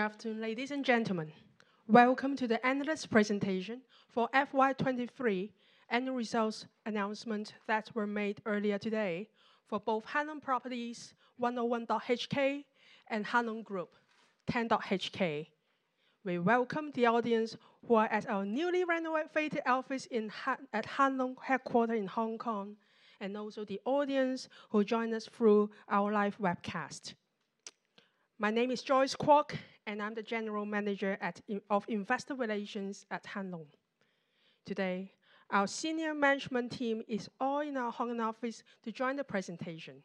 Good afternoon, ladies and gentlemen. Welcome to the analyst presentation for FY2023 annual results announcement that were made earlier today for both Hang Lung Properties 101.HK and Hang Lung Group, 10.HK. We welcome the audience who are at our newly renovated office at Hang Lung headquarters in Hong Kong, and also the audience who join us through our live webcast. My name is Joyce Kwock, and I'm the General Manager of Investor Relations at Hang Lung. Today, our senior management team is here at our Hong Kong office to join the presentation.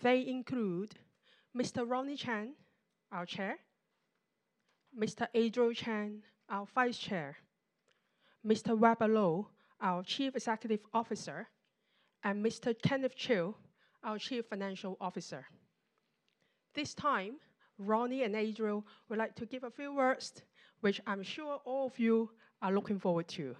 They include Mr. Ronnie Chan, our Chair; Mr. Adriel Chan, our Vice Chair; Mr. Weber Lo, our Chief Executive Officer; and Mr. Kenneth Chiu, our Chief Financial Officer. At this time, Ronnie and Adriel would like to give a few words, which I'm sure all of you are looking forward to.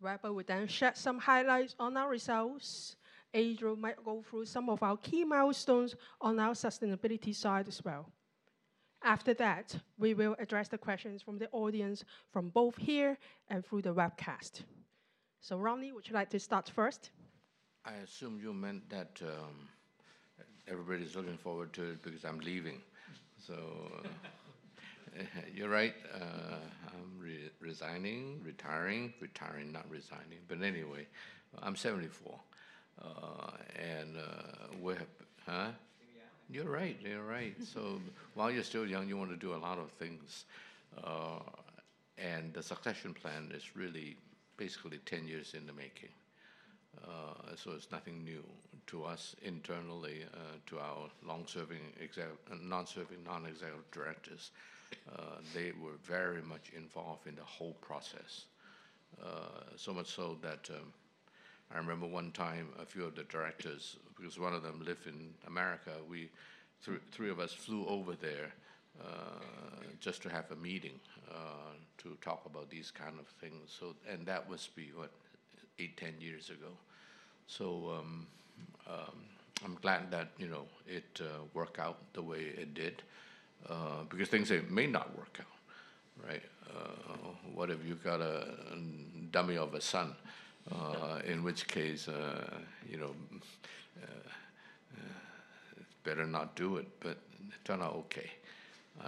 Weber will then share some highlights on our results. Adriel might go through some of our key milestones on our sustainability side as well. After that, we will address the questions from the audience, from both here and through the webcast. So Ronnie, would you like to start first? I assume you meant that everybody's looking forward to it because I'm leaving. You're right, I'm resigning, retiring. Retiring, not resigning, but anyway, I'm 74. And we have... Huh? You're young. You're right, you're right. So while you're still young, you want to do a lot of things. And the succession plan is really basically 10 years in the making. So it's nothing new to us internally, to our long-serving non-executive directors. They were very much involved in the whole process. So much so that, I remember one time, a few of the directors, because one of them live in America, three of us flew over there, just to have a meeting, to talk about these kind of things. And that must be, what? eight to 10 years ago. I'm glad that, you know, it worked out the way it did, because things may not work out, right? What if you've got a dummy of a son? In which case, you know, better not do it, but it turned out okay.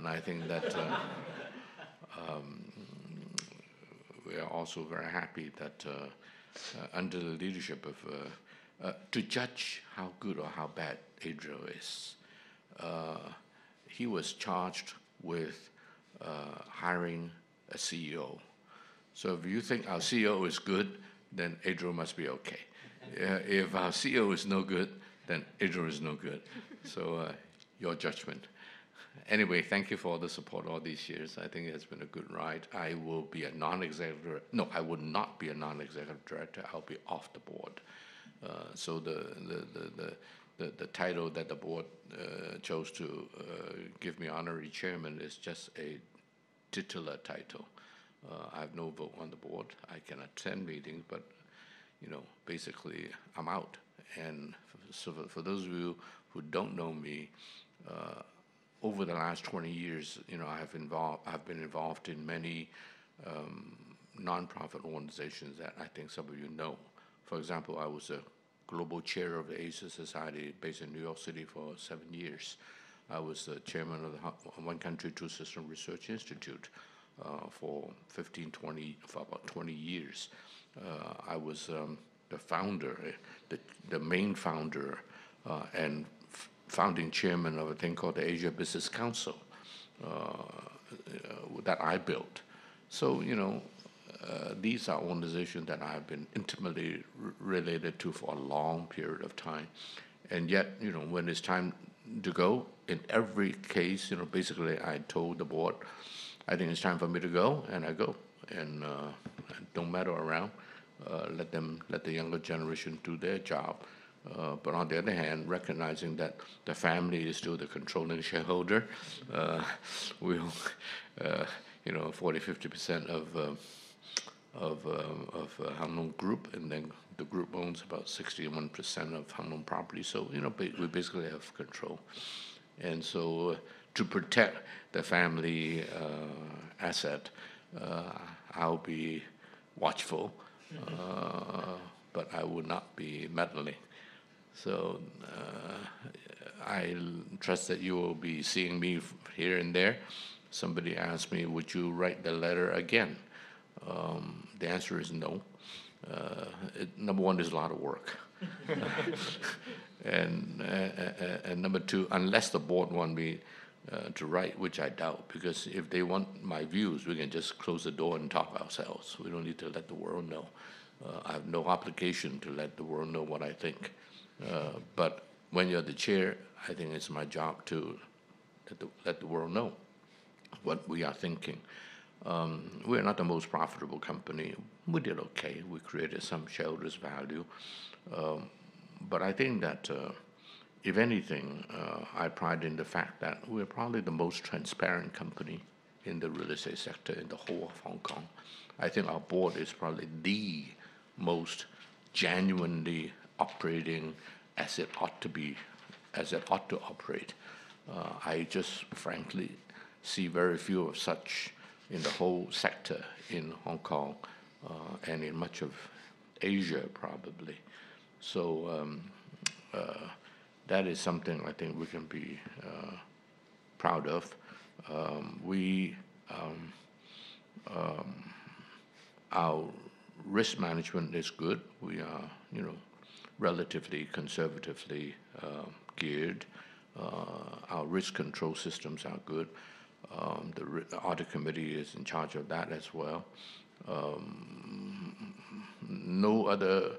I think that we are also very happy that under the leadership of... To judge how good or how bad Adriel is, he was charged with hiring a CEO. So if you think our CEO is good, then Adriel must be okay. If our CEO is no good, then Adriel is no good. So, your judgment. Anyway, thank you for all the support all these years. I think it's been a good ride. I will be a non-executive... No, I will not be a non-executive director. I'll be off the board. So the title that the board chose to give me, Honorary Chairman, is just a titular title. I have no vote on the board. I can attend meetings, but, you know, basically, I'm out. And so for those of you who don't know me, over the last 20 years, you know, I have involved- I've been involved in many nonprofit organizations that I think some of you know. For example, I was a global chair of Asia Society, based in New York City, for seven years. I was the chairman of the One Country Two Systems Research Institute for 15, 20, for about 20 years. I was the founder, the main founder and founding chairman of a thing called the Asia Business Council that I built. So, you know, these are organizations that I've been intimately related to for a long period of time. And yet, you know, when it's time to go, in every case, you know, basically, I told the board, "I think it's time for me to go," and I go, and don't meddle around. Let them, let the younger generation do their job. But on the other hand, recognizing that the family is still the controlling shareholder, we own, you know, 40% to 50% of Hang Lung Group, and then the group owns about 61% of Hang Lung Properties. So, you know, we basically have control. And so, to protect the family asset, I'll be watchful, but I will not be meddling. So, I trust that you will be seeing me here and there. Somebody asked me: "Would you write the letter again?" The answer is no. Number one, it's a lot of work. Number two, unless the board want me to write, which I doubt, because if they want my views, we can just close the door and talk ourselves. We don't need to let the world know. I have no obligation to let the world know what I think. But when you're the chair, I think it's my job to let the world know what we are thinking. We are not the most profitable company. We did okay. We created some shareholders value. But I think that, if anything, I pride in the fact that we're probably the most transparent... in the real estate sector in the whole of Hong Kong. I think our board is probably the most genuinely operating as it ought to be, as it ought to operate. I just frankly see very few of such in the whole sector in Hong Kong, and in much of Asia, probably. So, that is something I think we can be, proud of. We, our risk management is good. We are, you know, relatively conservatively, geared. Our risk control systems are good. The audit committee is in charge of that as well. No other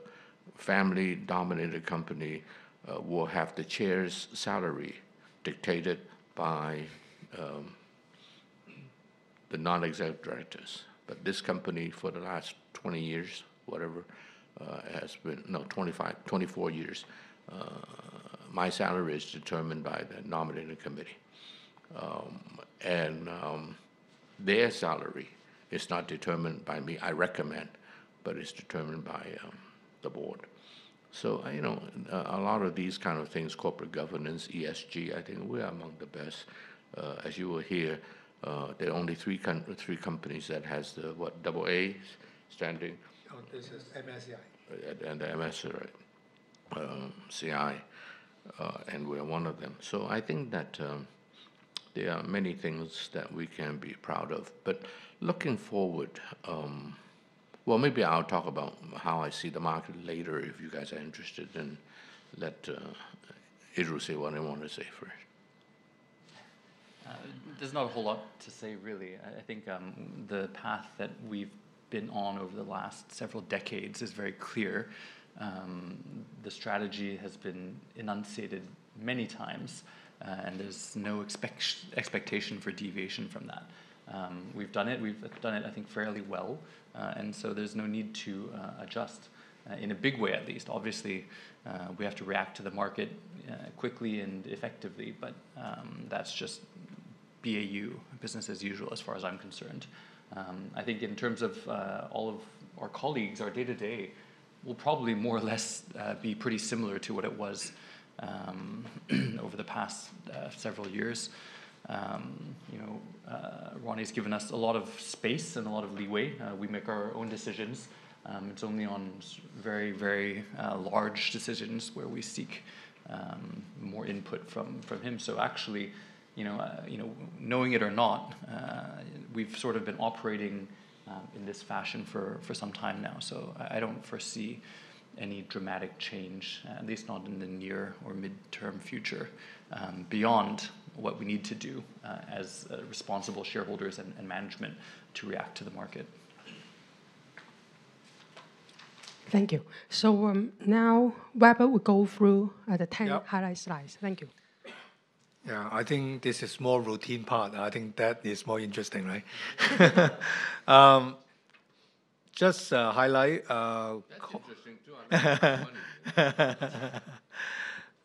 family-dominated company, will have the chair's salary dictated by, the non-exec directors. But this company, for the last 20 years, whatever, has been... No, 25, 24 years, my salary is determined by the nominating committee. And, their salary is not determined by me. I recommend, but it's determined by, the board. So, you know, a lot of these kind of things, corporate governance, ESG, I think we are among the best. As you will hear, there are only three companies that has the, what? AA standing. Oh, this is MSCI. Yeah, and the MSCI, and we are one of them. So I think that, there are many things that we can be proud of. But looking forward... Well, maybe I'll talk about how I see the market later, if you guys are interested, and let, Adriel say what he want to say first. There's not a whole lot to say, really. I think the path that we've been on over the last several decades is very clear. The strategy has been enunciated many times, and there's no expectation for deviation from that. We've done it, we've done it, I think, fairly well, and so there's no need to adjust in a big way, at least. Obviously, we have to react to the market quickly and effectively, but that's just BAU, business as usual, as far as I'm concerned. I think in terms of all of our colleagues, our day-to-day will probably more or less be pretty similar to what it was over the past several years. You know, Ronnie's given us a lot of space and a lot of leeway. We make our own decisions. It's only on very, very large decisions where we seek more input from, from him. So actually, you know, you know, knowing it or not, we've sort of been operating in this fashion for, for some time now. So I, I don't foresee any dramatic change, at least not in the near or mid-term future, beyond what we need to do as responsible shareholders and, and management to react to the market. Thank you. So, now Weber will go through the ten- Yep... highlight slides. Thank you. Yeah, I think this is more routine part, and I think that is more interesting, right? That's interesting, too.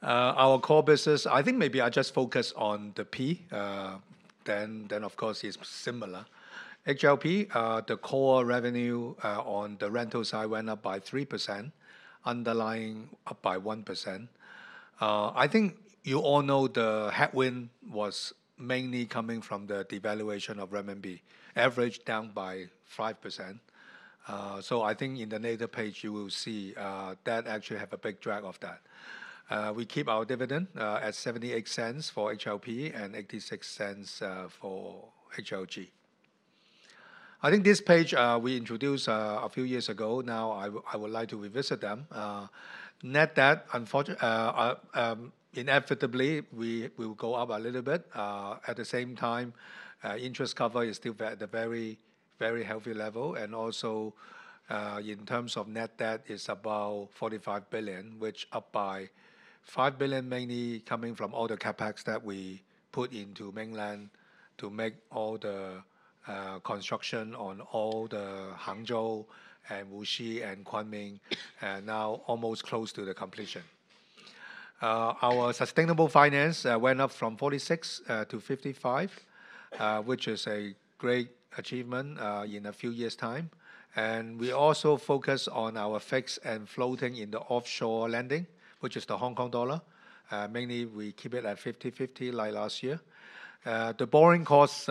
Our core business, I think maybe I just focus on the P, then of course, it's similar. HLP, the core revenue, on the rental side went up by 3%, underlying up by 1%. I think you all know the headwind was mainly coming from the devaluation of renminbi, averaged down by 5%. So I think in the later page you will see, that actually have a big drag of that. We keep our dividend at 0.78 for HLP and 0.86 for HLG. I think this page, we introduced a few years ago, now I would like to revisit them. Net debt, inevitably, we will go up a little bit. At the same time, interest cover is still at a very, very healthy level. Also, in terms of net debt, it's about 45 billion, which up by 5 billion, mainly coming from all the CapEx that we put into mainland, to make all the construction on all the Hangzhou, and Wuxi, and Kunming, and now almost close to the completion. Our sustainable finance went up from 46 billion to 55 billion, which is a great achievement in a few years' time. And we also focus on our fixed and floating in the offshore lending, which is the Hong Kong dollar. Mainly, we keep it at 50-50, like last year. The borrowing costs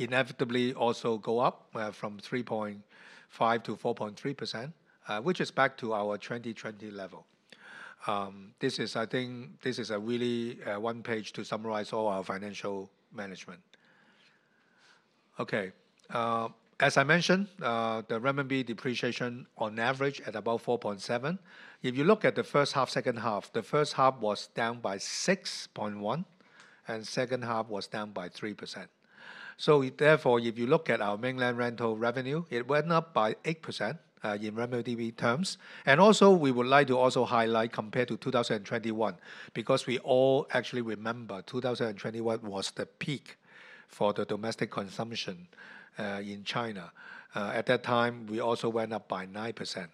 inevitably also go up from 3.5% to 4.3%, which is back to our 2020 level. This is... I think this is a really one page to summarize all our financial management. Okay, as I mentioned, the renminbi depreciation on average at about 4.7%. If you look at the H1, H2, the H1 was down by 6.1%, and H2 was down by 3%. So therefore, if you look at our mainland rental revenue, it went up by 8% in renminbi terms. And also, we would like to also highlight compared to 2021, because we all actually remember 2021 was the peak for the domestic consumption in China. At that time, we also went up by 9%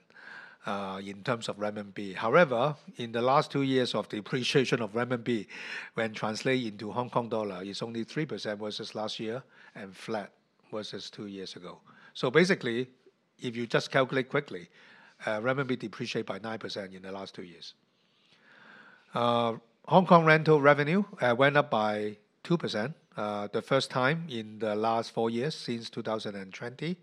in terms of renminbi. However, in the last two years of depreciation of renminbi, when translated into Hong Kong dollar, it's only 3% versus last year and flat versus two years ago. So basically-... If you just calculate quickly, renminbi depreciate by 9% in the last two years. Hong Kong rental revenue went up by 2%, the first time in the last four years since 2020.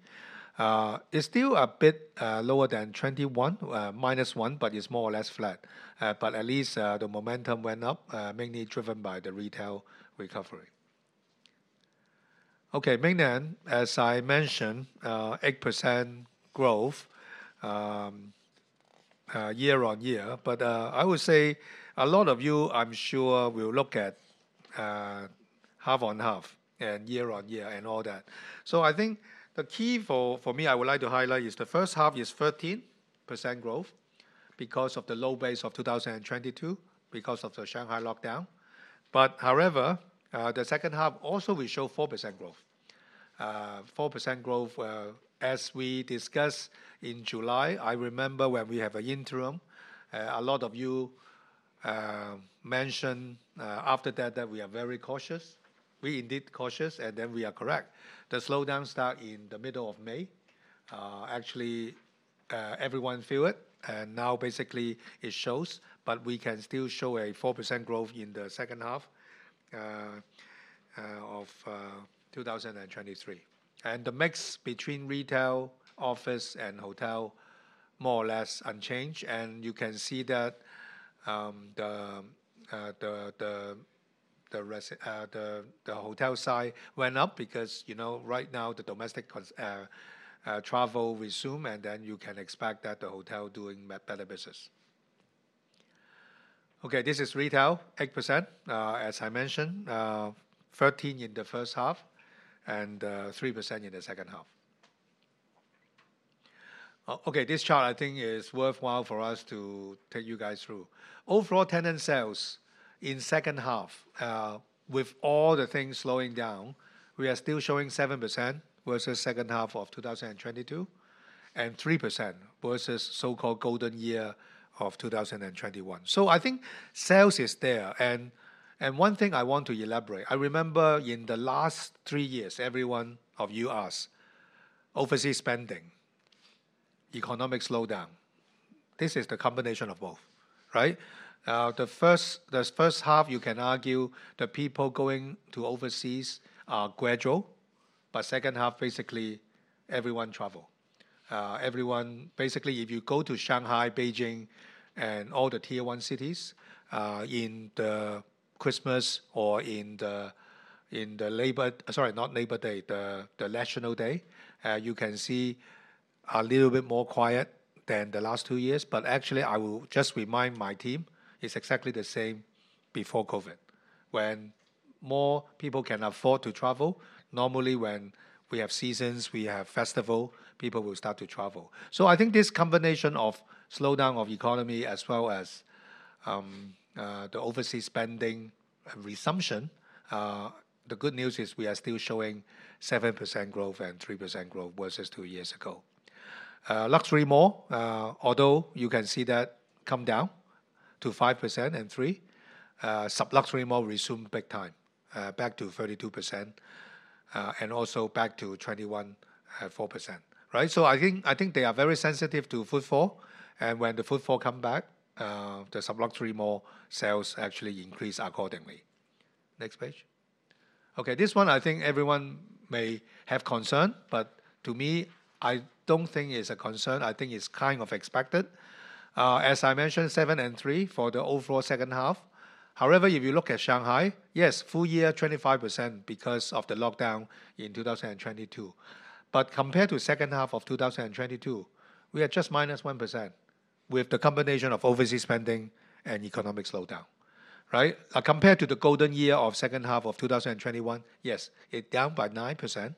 It's still a bit lower than 2021, -1%, but it's more or less flat. But at least, the momentum went up, mainly driven by the retail recovery. Okay, Mainland, as I mentioned, 8% growth year-on-year. But I would say a lot of you, I'm sure, will look at half-on-half and year-on-year and all that. So I think the key, for me, I would like to highlight, is the H1 is 13% growth because of the low base of 2022, because of the Shanghai lockdown. But however, the H2 also we show 4% growth. 4% growth, as we discussed in July, I remember when we have an interim, a lot of you mentioned, after that, that we are very cautious. We indeed cautious, and then we are correct. The slowdown start in the middle of May. Actually, everyone feel it, and now basically it shows, but we can still show a 4% growth in the H2 of 2023. The mix between retail, office, and hotel, more or less unchanged. You can see that, the hotel side went up because, you know, right now the domestic travel resume, and then you can expect that the hotel doing better business. Okay, this is retail, 8%. As I mentioned, 13 in the H1 and 3% in the H2. Okay, this chart I think is worthwhile for us to take you guys through. Overall tenant sales in H2, with all the things slowing down, we are still showing 7% versus H2 of 2022, and 3% versus so-called golden year of 2021. So I think sales is there, and one thing I want to elaborate, I remember in the last 3 years, every one of you asked, overseas spending, economic slowdown. This is the combination of both, right? The first, the H1, you can argue the people going to overseas are gradual, but H2, basically, everyone travel. Everyone—basically, if you go to Shanghai, Beijing, and all the Tier One cities in the Christmas or in the, in the Labor... Sorry, not Labor Day, the, the National Day, you can see a little bit more quiet than the last two years. But actually, I will just remind my team, it's exactly the same before COVID. When more people can afford to travel, normally when we have seasons, we have festival, people will start to travel. So I think this combination of slowdown of economy as well as the overseas spending resumption, the good news is we are still showing 7% growth and 3% growth versus two years ago. Luxury mall, although you can see that come down to 5% and 3%, sub-luxury mall resumed big time, back to 32%, and also back to 21.4%. Right? So I think, I think they are very sensitive to footfall, and when the footfall come back, the sub-luxury mall sales actually increase accordingly. Next page. Okay, this one, I think everyone may have concern, but to me, I don't think it's a concern. I think it's kind of expected. As I mentioned, 7% and 3% for the overall H2. However, if you look at Shanghai, yes, full year, 25% because of the lockdown in 2022. But compared to H2 of 2022, we are just -1% with the combination of overseas spending and economic slowdown, right? Compared to the golden year of H2 of 2021, yes, it down by 9%.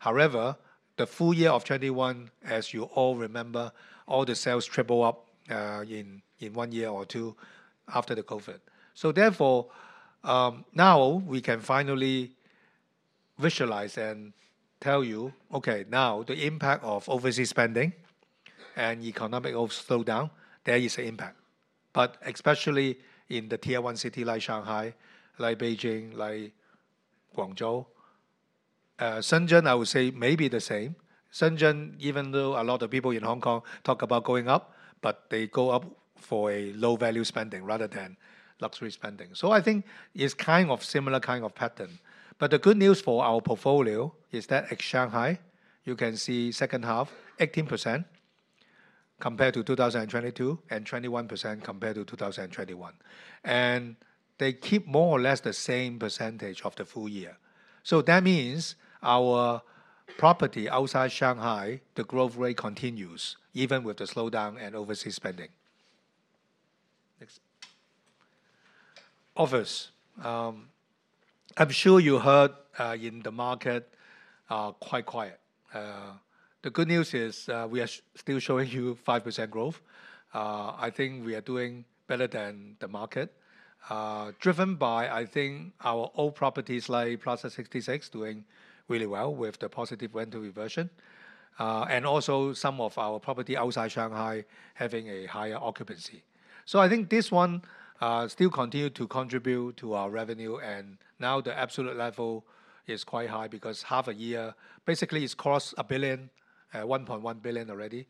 However, the full year of 2021, as you all remember, all the sales triple up, in one year or two after the COVID. So therefore, now we can finally visualize and tell you, okay, now, the impact of overseas spending and economic of slowdown, there is an impact. But especially in the Tier One city like Shanghai, like Beijing, like Guangzhou, Shenzhen, I would say may be the same. Shenzhen, even though a lot of people in Hong Kong talk about going up, but they go up for a low-value spending rather than luxury spending. So I think it's kind of similar kind of pattern. But the good news for our portfolio is that at Shanghai, you can see H2, 18% compared to 2022, and 21% compared to 2021. And they keep more or less the same percentage of the full year. So that means our property outside Shanghai, the growth rate continues even with the slowdown and overseas spending. Next. Office. I'm sure you heard in the market quite quiet. The good news is, we are still showing you 5% growth. I think we are doing better than the market, driven by, I think, our old properties like Plaza 66 doing really well with the positive rental reversion, and also some of our property outside Shanghai having a higher occupancy. So I think this one still continue to contribute to our revenue, and now the absolute level is quite high because half a year, basically, it's cost 1.1 billion already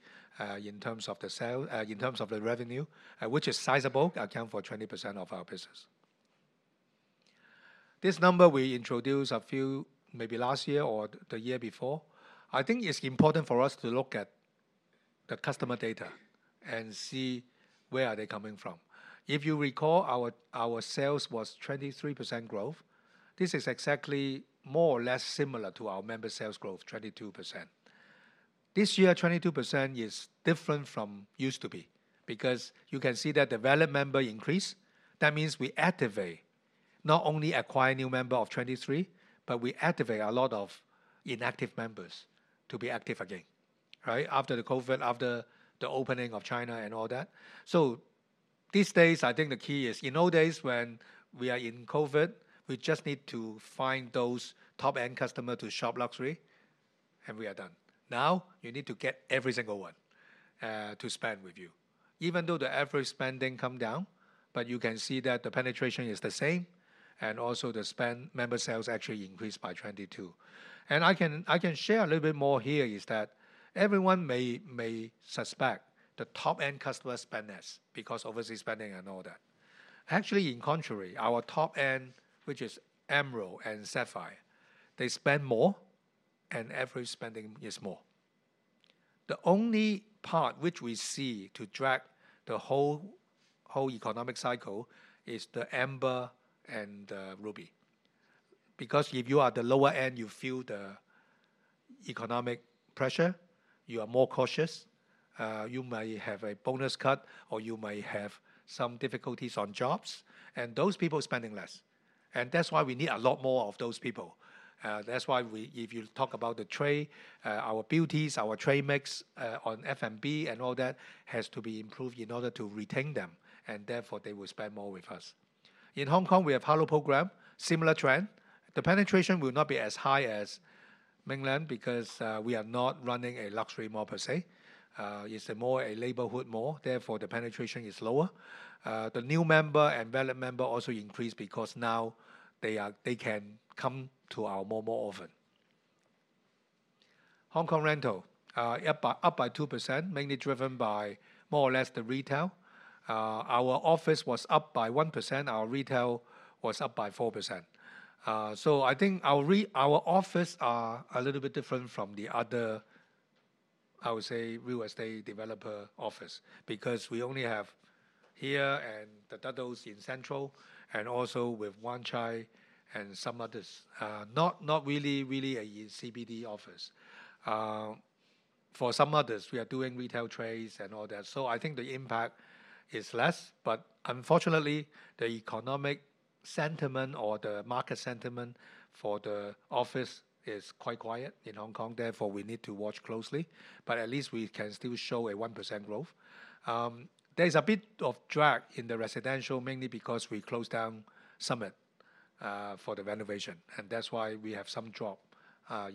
in terms of the sale in terms of the revenue which is sizable, account for 20% of our business. This number we introduced a few, maybe last year or the year before. I think it's important for us to look at the customer data and see where are they coming from. If you recall, our, our sales was 23% growth. This is exactly more or less similar to our member sales growth, 22%. This year, 22% is different from used to be, because you can see that the valid member increase, that means we activate, not only acquire new member of 23, but we activate a lot of inactive members to be active again, right? After the COVID, after the opening of China and all that. So these days, I think the key is, in old days when we are in COVID, we just need to find those top-end customer to shop luxury, and we are done. Now, you need to get every single one, to spend with you. Even though the average spending come down, but you can see that the penetration is the same, and also the spend, member sales actually increased by 22. And I can share a little bit more here, is that everyone may suspect the top-end customer spend less, because obviously spending and all that. Actually, in contrary, our top end, which is Emerald and Sapphire, they spend more and average spending is more. The only part which we see to drag the whole economic cycle is the Amber and Ruby. Because if you are the lower end, you feel the economic pressure, you are more cautious, you may have a bonus cut, or you may have some difficulties on jobs, and those people are spending less. And that's why we need a lot more of those people. That's why we—if you talk about the trade, our boutiques, our trade mix, on F&B and all that, has to be improved in order to retain them, and therefore they will spend more with us. In Hong Kong, we have Hello Program, similar trend. The penetration will not be as high as mainland because we are not running a luxury mall per se. It's more a neighborhood mall, therefore, the penetration is lower. The new member and valid member also increase because now they can come to our mall more often. Hong Kong rental up by 2%, mainly driven by more or less the retail. Our office was up by 1%, our retail was up by 4%. So I think our office are a little bit different from the other, I would say, real estate developer office, because we only have here and the others in Central and also with Wan Chai and some others. Not really a CBD office. For some others, we are doing retail trades and all that. So I think the impact is less, but unfortunately, the economic sentiment or the market sentiment for the office is quite quiet in Hong Kong, therefore, we need to watch closely, but at least we can still show a 1% growth. There's a bit of drag in the residential, mainly because we closed down Summit for the renovation, and that's why we have some drop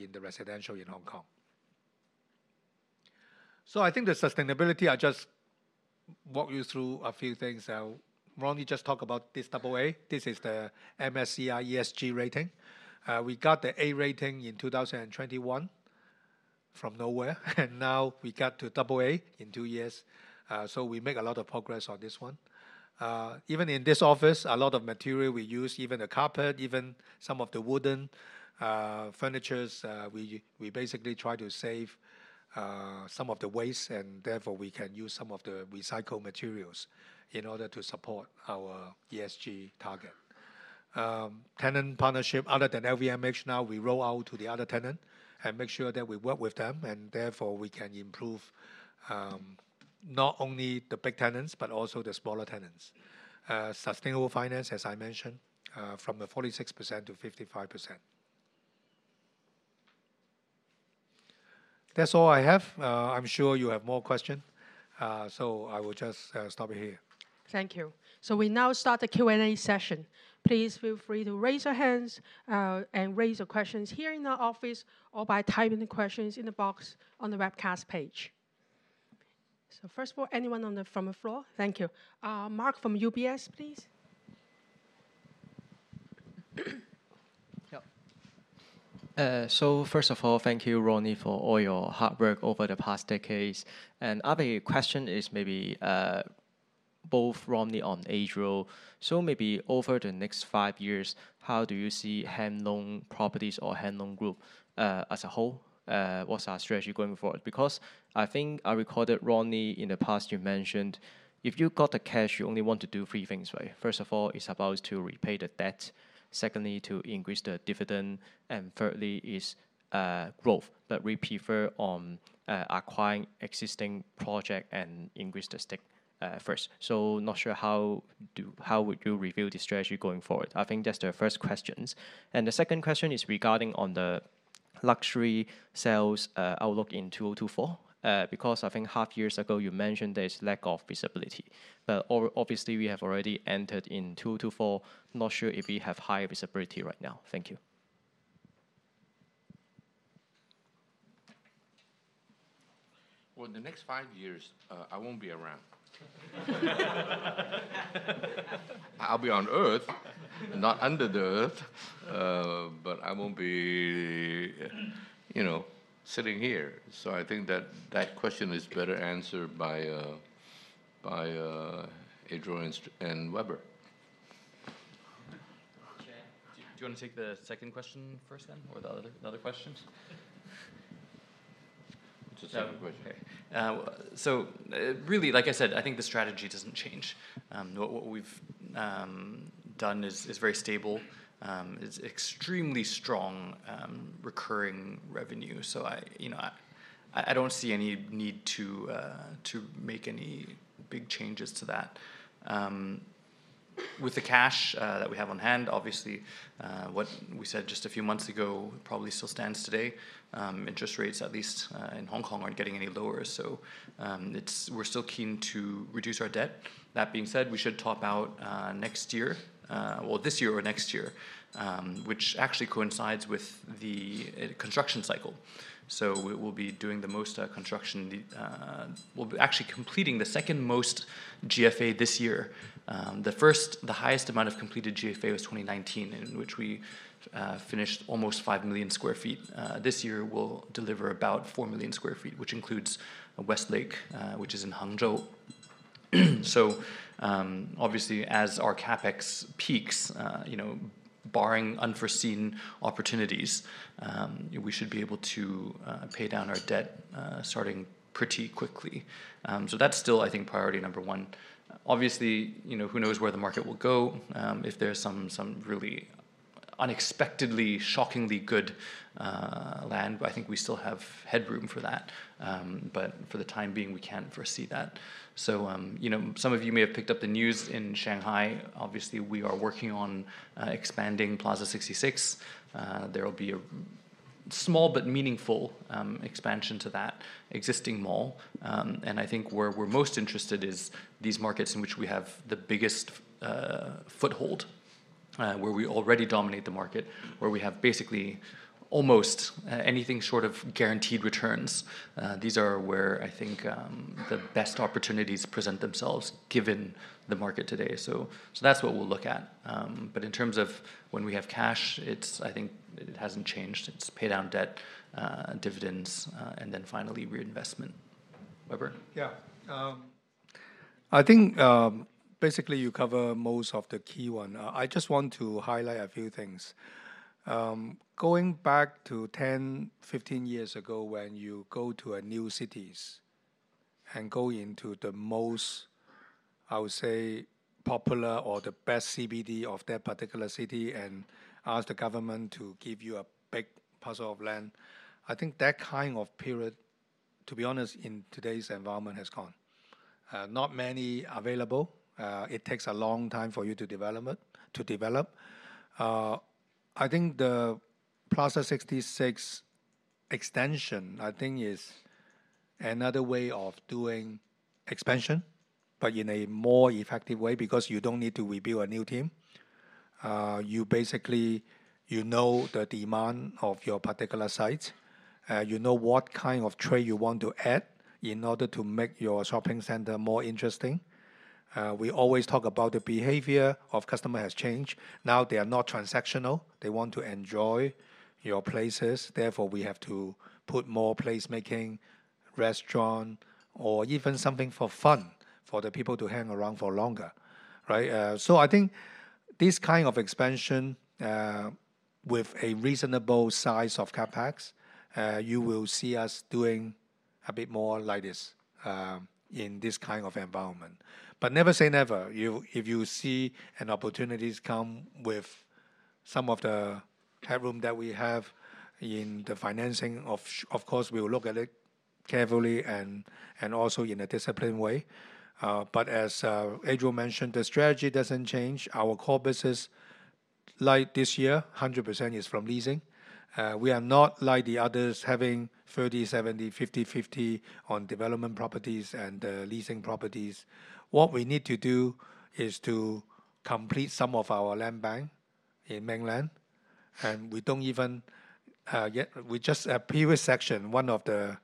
in the residential in Hong Kong. So I think the sustainability, I just walk you through a few things. Ronnie just talk about this double A. This is the MSCI ESG rating. We got the A rating in 2021 from nowhere, and now we got to double A in two years. So we make a lot of progress on this one. Even in this office, a lot of material we use, even the carpet, even some of the wooden furniture, we basically try to save some of the waste, and therefore we can use some of the recycled materials in order to support our ESG target. Tenant partnership, other than LVMH, now we roll out to the other tenant and make sure that we work with them, and therefore we can improve not only the big tenants, but also the smaller tenants. Sustainable finance, as I mentioned, from the 46% to 55%.That's all I have. I'm sure you have more question, so I will just stop it here. Thank you. We now start the Q&A session. Please feel free to raise your hands, and raise your questions here in the office or by typing the questions in the box on the webcast page. First of all, anyone from the floor? Thank you. Mark from UBS, please. Yep. So first of all, thank you, Ronnie, for all your hard work over the past decades. And other question is maybe, both Ronnie and Adriel. So maybe over the next five years, how do you see Hang Lung Properties or Hang Lung Group, as a whole? What's our strategy going forward? Because I think I recorded, Ronnie, in the past you mentioned, if you got the cash, you only want to do three things, right? First of all, it's about to repay the debt, secondly, to increase the dividend, and thirdly, is, growth, but we prefer on, acquiring existing project and increase the stake, first. So not sure how would you review the strategy going forward? I think that's the first questions. And the second question is regarding on the luxury sales, outlook in 2024.Because I think half years ago you mentioned there's lack of visibility. But obviously, we have already entered in 2024, not sure if we have higher visibility right now. Thank you.... Well, the next five years, I won't be around. I'll be on Earth, not under the Earth, but I won't be, you know, sitting here. So I think that that question is better answered by Adriel and Weber. Do you wanna take the second question first then, or the other questions? It's the second question. So, really, like I said, I think the strategy doesn't change. What we've done is very stable. It's extremely strong recurring revenue, so I, you know, don't see any need to make any big changes to that. With the cash that we have on hand, obviously, what we said just a few months ago, probably still stands today. Interest rates, at least, in Hong Kong, aren't getting any lower, so we're still keen to reduce our debt. That being said, we should top out next year, well, this year or next year, which actually coincides with the construction cycle. So we will be doing the most construction. We'll be actually completing the second-most GFA this year. The highest amount of completed GFA was 2019, in which we finished almost 5 million sq ft. This year we'll deliver about 4 million sq ft, which includes Westlake, which is in Hangzhou. So, obviously, as our CapEx peaks, you know, barring unforeseen opportunities, we should be able to pay down our debt starting pretty quickly. So that's still, I think, priority number one. Obviously, you know, who knows where the market will go? If there's some really unexpectedly, shockingly good land, but I think we still have headroom for that. But for the time being, we can't foresee that. So, you know, some of you may have picked up the news in Shanghai. Obviously, we are working on expanding Plaza 66. There will be a small, but meaningful, expansion to that existing mall. And I think where we're most interested is these markets in which we have the biggest foothold, where we already dominate the market, where we have basically almost anything short of guaranteed returns. These are where I think the best opportunities present themselves, given the market today, so that's what we'll look at. But in terms of when we have cash, it's- I think it hasn't changed. It's pay down debt, dividends, and then finally, reinvestment. Weber? Yeah. I think, basically, you cover most of the key one. I just want to highlight a few things. Going back to 10, 15 years ago, when you go to a new cities, and go into the most, I would say, popular or the best CBD of that particular city, and ask the government to give you a big parcel of land, I think that kind of period, to be honest, in today's environment, has gone. Not many available. It takes a long time for you to development- to develop. I think the Plaza 66 extension, I think is another way of doing expansion, but in a more effective way, because you don't need to rebuild a new team. You basically, you know the demand of your particular site, you know what kind of trade you want to add in order to make your shopping center more interesting. We always talk about the behavior of customer has changed. Now, they are not transactional. They want to enjoy your places. Therefore, we have to put more place-making, restaurant or even something for fun for the people to hang around for longer, right? So I think this kind of expansion, with a reasonable size of CapEx, you will see us doing a bit more like this, in this kind of environment. But never say never. You, if you see an opportunities come with some of the headroom that we have in the financing, of course, we will look at it carefully and also in a disciplined way. But as Adriel mentioned, the strategy doesn't change. Our core business, like this year, 100% is from leasing. We are not like the others, having 30-70, 50-50 on development properties and leasing properties. What we need to do is to complete some of our land bank in mainland, and we don't even we just, a previous section, one of the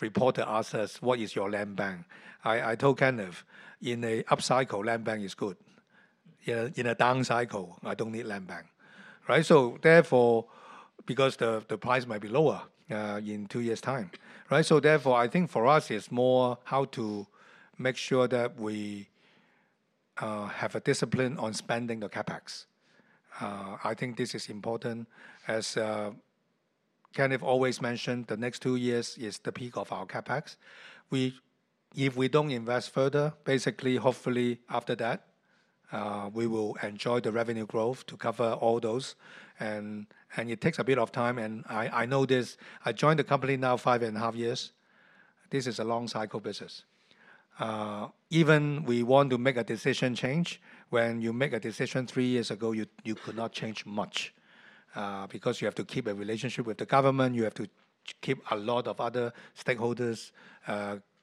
reporter asked us, "What is your land bank?" I told Kenneth, "In a upcycle, land bank is good. In a down cycle, I don't need land bank." Right? So therefore, because the price might be lower in two years' time. Right, so therefore, I think for us, it's more how to make sure that we have a discipline on spending the CapEx. I think this is important, as Kenneth always mentioned, the next two years is the peak of our CapEx. If we don't invest further, basically, hopefully, after that, we will enjoy the revenue growth to cover all those, and it takes a bit of time, and I know this. I joined the company now five and a half years. This is a long cycle business. Even we want to make a decision change, when you make a decision three years ago, you could not change much, because you have to keep a relationship with the government, you have to keep a lot of other stakeholders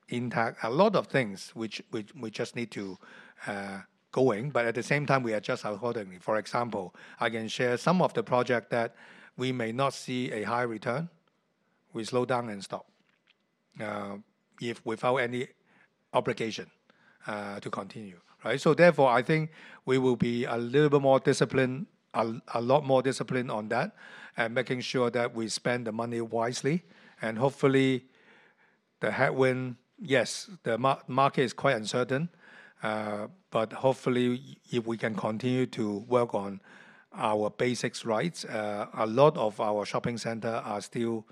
intact. A lot of things which we just need to going, but at the same time, we are just withholding. For example, I can share some of the project that we may not see a high return, we slow down and stop, if without any obligation to continue, right? So therefore, I think we will be a little bit more disciplined, a lot more disciplined on that, and making sure that we spend the money wisely. And hopefully, the headwind, yes, the market is quite uncertain. But hopefully, if we can continue to work on our basics rights, a lot of our shopping center are still,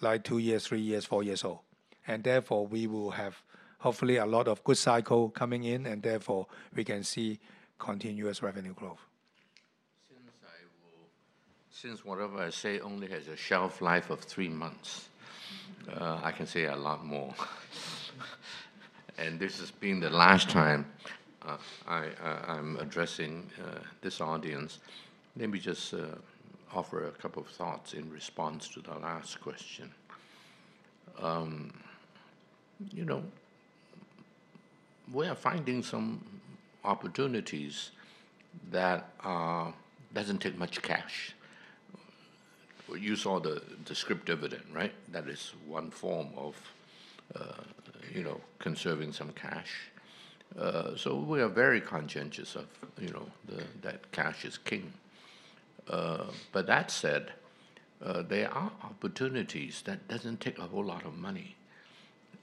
like, two years, three years, four years old. And therefore, we will have, hopefully, a lot of good cycle coming in, and therefore, we can see continuous revenue growth. Since whatever I say only has a shelf life of three months, I can say a lot more. And this has been the last time I'm addressing this audience. Let me just offer a couple of thoughts in response to the last question. You know, we are finding some opportunities that doesn't take much cash. You saw the scrip dividend, right? That is one form of, you know, conserving some cash. So we are very conscientious of, you know, that cash is king. But that said, there are opportunities that doesn't take a whole lot of money,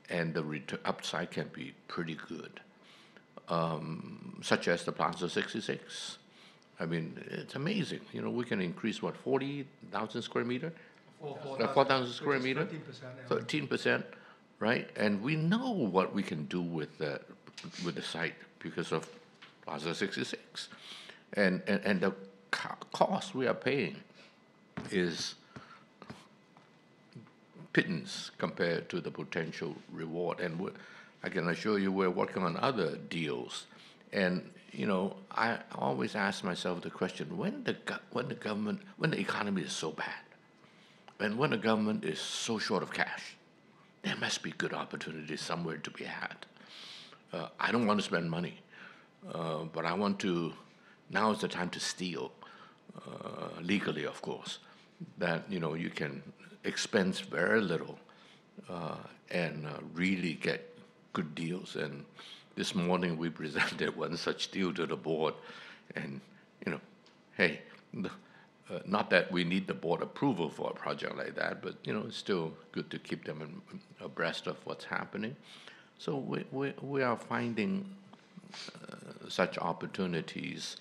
and the return upside can be pretty good. Such as the Plaza 66. I mean, it's amazing. You know, we can increase, what, 40,000 square meters? Four, four- 4,000 square meters. 13%, yeah. 13%, right? And we know what we can do with the site because of Plaza 66. And the cost we are paying is pittance compared to the potential reward. And I can assure you, we're working on other deals. And, you know, I always ask myself the question: When the government... when the economy is so bad, and when the government is so short of cash, there must be good opportunities somewhere to be had. I don't want to spend money, but I want to, now is the time to steal, legally, of course. That, you know, you can expense very little and really get good deals. This morning, we presented one such deal to the board, and, you know, hey, not that we need the board approval for a project like that, but, you know, it's still good to keep them abreast of what's happening. So we are finding such opportunities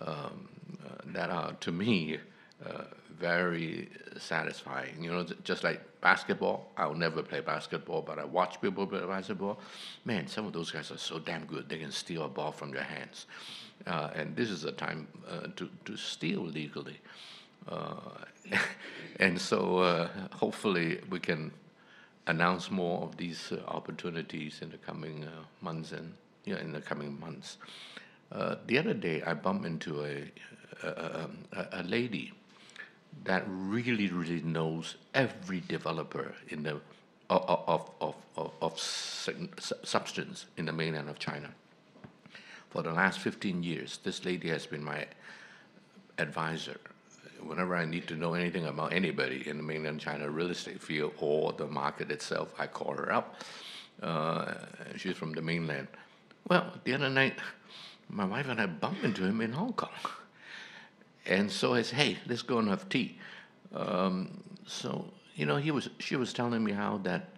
that are, to me, very satisfying. You know, just like basketball, I will never play basketball, but I watch people play basketball. Man, some of those guys are so damn good, they can steal a ball from your hands. And this is a time to steal legally. And so, hopefully, we can announce more of these opportunities in the coming months and, yeah, in the coming months. The other day, I bumped into a lady that really, really knows every developer in the... Of significance in the mainland China. For the last 15 years, this lady has been my advisor. Whenever I need to know anything about anybody in the mainland China real estate field or the market itself, I call her up. She's from the mainland. Well, the other night, my wife and I bumped into him in Hong Kong. And so I said, "Hey, let's go and have tea." So, you know, she was telling me how that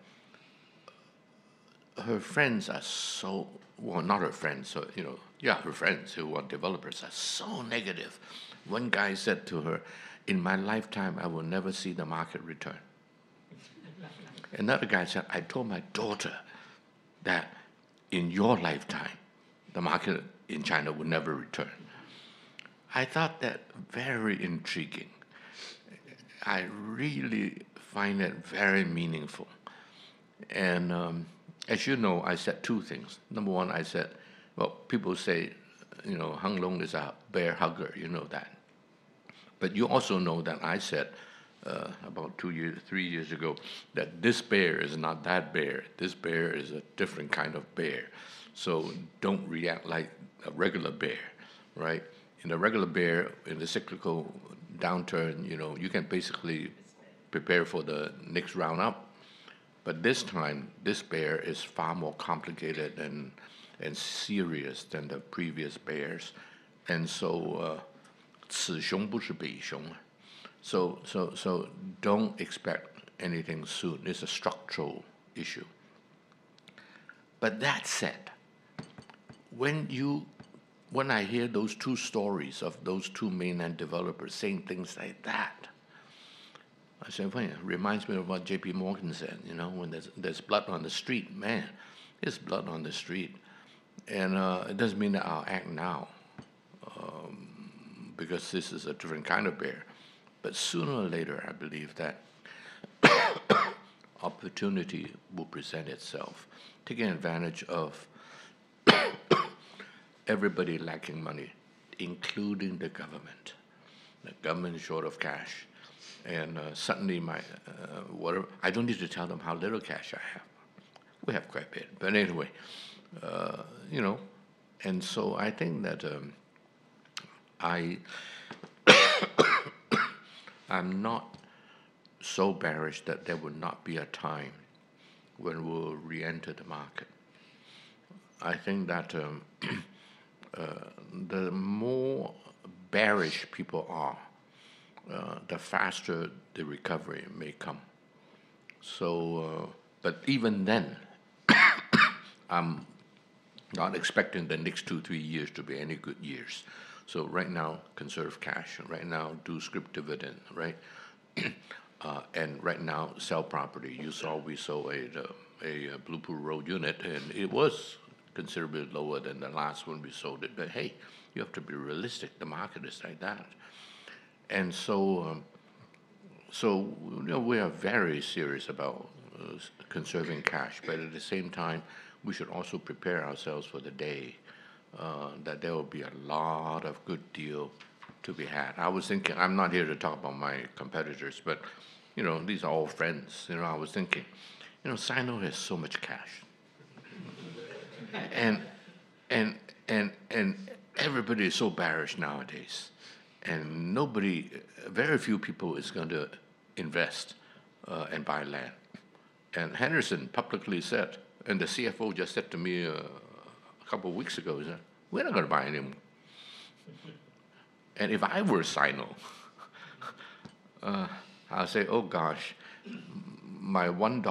her friends are so... Well, not her friends, so, you know, yeah, her friends who are developers, are so negative. One guy said to her, "In my lifetime, I will never see the market return." Another guy said, "I told my daughter that in your lifetime, the market in China will never return." I thought that very intriguing. I really find it very meaningful. And, as you know, I said two things. Number one, I said, "Well, people say, you know, Hang Lung is a bear hugger." You know that. But you also know that I said, about two years, three years ago, that this bear is not that bear. This bear is a different kind of bear, so don't react like a regular bear, right? And a regular bear in the cyclical downturn, you know, you can basically prepare for the next round up. But this time, this bear is far more complicated and, and serious than the previous bears. And so, don't expect anything soon. It's a structural issue. But that said, when I hear those two stories of those two mainland developers saying things like that, I say, "Well, it reminds me of what JPMorgan said, you know, when there's blood on the street." Man, there's blood on the street. And it doesn't mean that I'll act now, because this is a different kind of bear. But sooner or later, I believe that opportunity will present itself, taking advantage of everybody lacking money, including the government. The government is short of cash, and certainly my, well, I don't need to tell them how little cash I have. We have quite a bit. But anyway, you know, and so I think that I'm not so bearish that there would not be a time when we'll reenter the market. I think that, the more bearish people are, the faster the recovery may come. So, but even then, I'm not expecting the next two, three years to be any good years. So right now, conserve cash, and right now, do scrip dividend, right? And right now, sell property. You saw we sold a, a Blue Pool Road unit, and it was considerably lower than the last one we sold it. But hey, you have to be realistic. The market is like that. And so, so, you know, we are very serious about, conserving cash, but at the same time, we should also prepare ourselves for the day, that there will be a lot of good deal to be had. I was thinking... I'm not here to talk about my competitors, but, you know, these are all friends. You know, I was thinking, "You know, Sino has so much cash." And everybody is so bearish nowadays, and nobody very few people is going to invest, and buy land. And Henderson publicly said, and the CFO just said to me, a couple weeks ago, he said, "We're not gonna buy anymore." And if I were Sino, I'd say, "Oh, gosh, my 100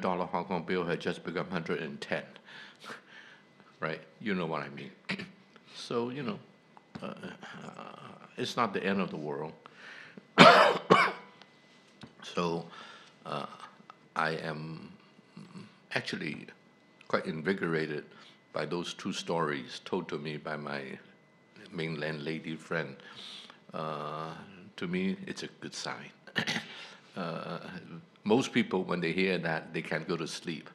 dollar Hong Kong bill had just become 110." Right? You know what I mean. So, you know, it's not the end of the world. So, I am actually quite invigorated by those two stories told to me by my mainland lady friend. To me, it's a good sign. Most people, when they hear that, they can't go to sleep.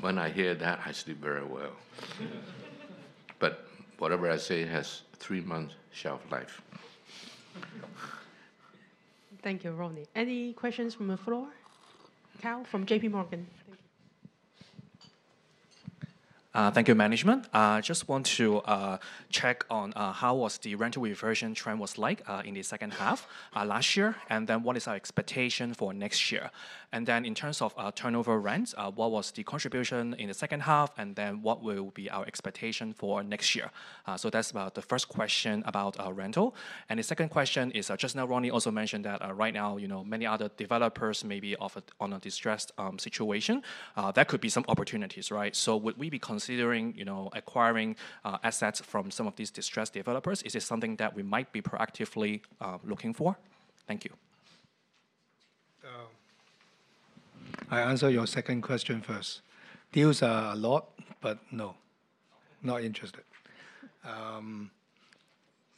When I hear that, I sleep very well. But whatever I say has three months shelf life. Thank you, Ronnie. Any questions from the floor? Cal, from JPMorgan. Thank you. Thank you, management. I just want to check on how the rental reversion trend was like in the H2 last year, and then what is our expectation for next year? And then, in terms of turnover rents, what was the contribution in the H2, and then what will be our expectation for next year? So that's about the first question about our rental. And the second question is, just now, Ronnie also mentioned that right now, you know, many other developers may be off on a distressed situation. That could be some opportunities, right? So would we be considering, you know, acquiring assets from some of these distressed developers? Is this something that we might be proactively looking for? Thank you. I answer your second question first. Deals are a lot, but no, not interested.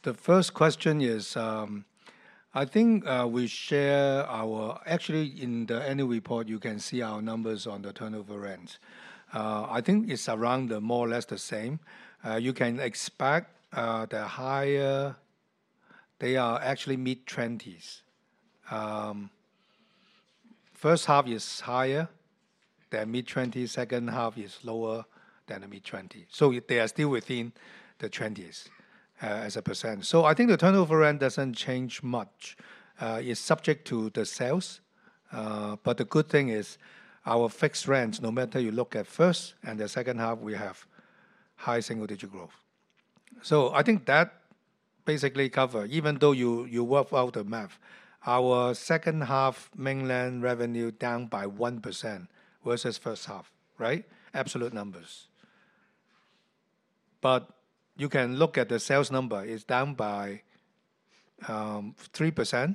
The first question is, I think, Actually, in the annual report, you can see our numbers on the turnover rent. I think it's around more or less the same. You can expect, the higher, they are actually mid-20s. First half is higher than mid-20s. Second half is lower than the mid-20s. So they are still within the 20s, as a percent. So I think the turnover rent doesn't change much. It's subject to the sales, but the good thing is, our fixed rents, no matter you look at first and the H2, we have high single-digit growth. So I think that basically cover, even though you work out the math, our H2 mainland revenue down by 1% versus H1, right? Absolute numbers. But you can look at the sales number, it's down by 3%,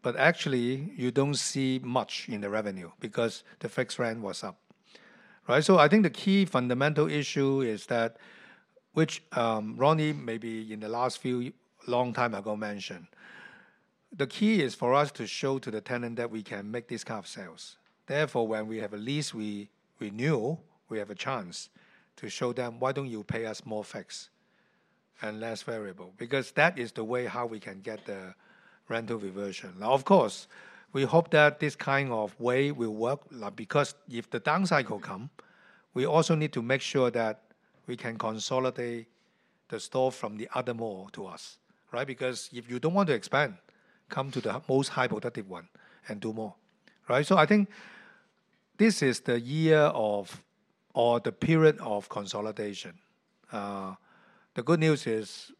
but actually, you don't see much in the revenue because the fixed rent was up. Right, so I think the key fundamental issue is that, which, Ronnie, maybe in the last few long time ago mentioned, the key is for us to show to the tenant that we can make this kind of sales. Therefore, when we have a lease we renew, we have a chance to show them, "Why don't you pay us more fixed and less variable?" Because that is the way how we can get the rental reversion. Now, of course, we hope that this kind of way will work, because if the down cycle come, we also need to make sure that we can consolidate the store from the other mall to us, right? Because if you don't want to expand, come to the most high productive one and do more, right? So I think this is the year of, or the period of consolidation. The good news is,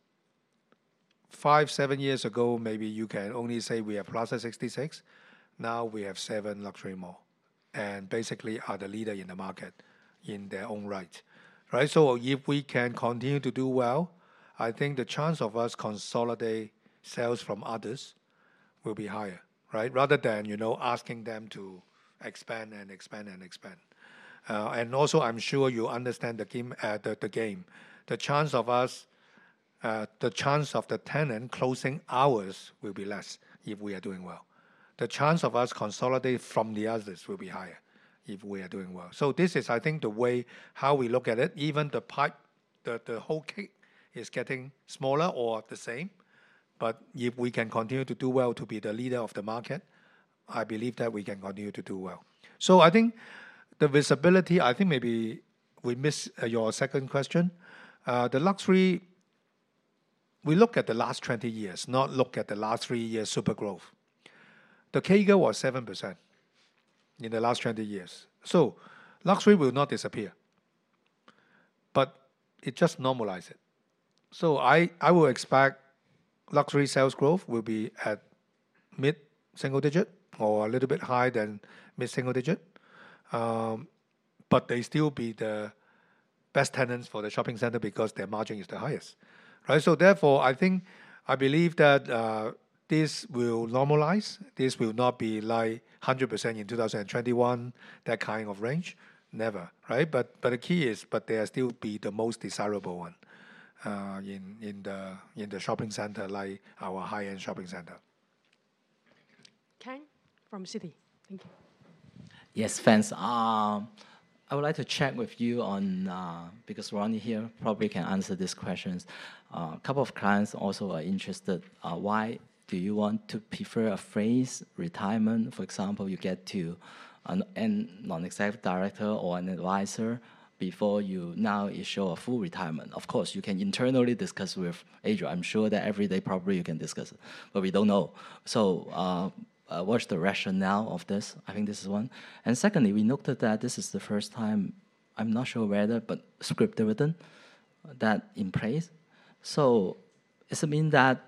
five, seven years ago, maybe you can only say we have Plaza 66. Now, we have seven luxury mall, and basically, are the leader in the market in their own right, right? So if we can continue to do well, I think the chance of us consolidate sales from others will be higher, right? Rather than, you know, asking them to expand and expand and expand. And also, I'm sure you understand the game, the game. The chance of us, the chance of the tenant closing hours will be less if we are doing well. The chance of us consolidate from the others will be higher if we are doing well. So this is, I think, the way how we look at it. Even the whole cake is getting smaller or the same, but if we can continue to do well to be the leader of the market, I believe that we can continue to do well. So I think the visibility, I think we missed your second question. The luxury, we look at the last 20 years, not look at the last 3 years super growth. The CAGR was 7% in the last 20 years. So luxury will not disappear, but it just normalize it. So I, I will expect luxury sales growth will be at mid-single digit or a little bit higher than mid-single digit. But they still be the best tenants for the shopping center because their margin is the highest, right? So therefore, I think, I believe that, this will normalize. This will not be like 100% in 2021, that kind of range. Never, right? But the key is, but they are still be the most desirable one, in the shopping center, like our high-end shopping center. Ken, from Citi. Thank you. Yes, thanks. I would like to check with you on, because Ronnie here probably can answer these questions. A couple of clients also are interested, why do you want to prefer a full retirement? For example, you get to a non-executive director or an advisor before you... Now, you show a full retirement. Of course, you can internally discuss with Adriel. I'm sure that every day probably you can discuss it, but we don't know. So, what's the rationale of this? I think this is one. And secondly, we noted that this is the first time, I'm not sure where, but scrip dividend that in place. So does it mean that,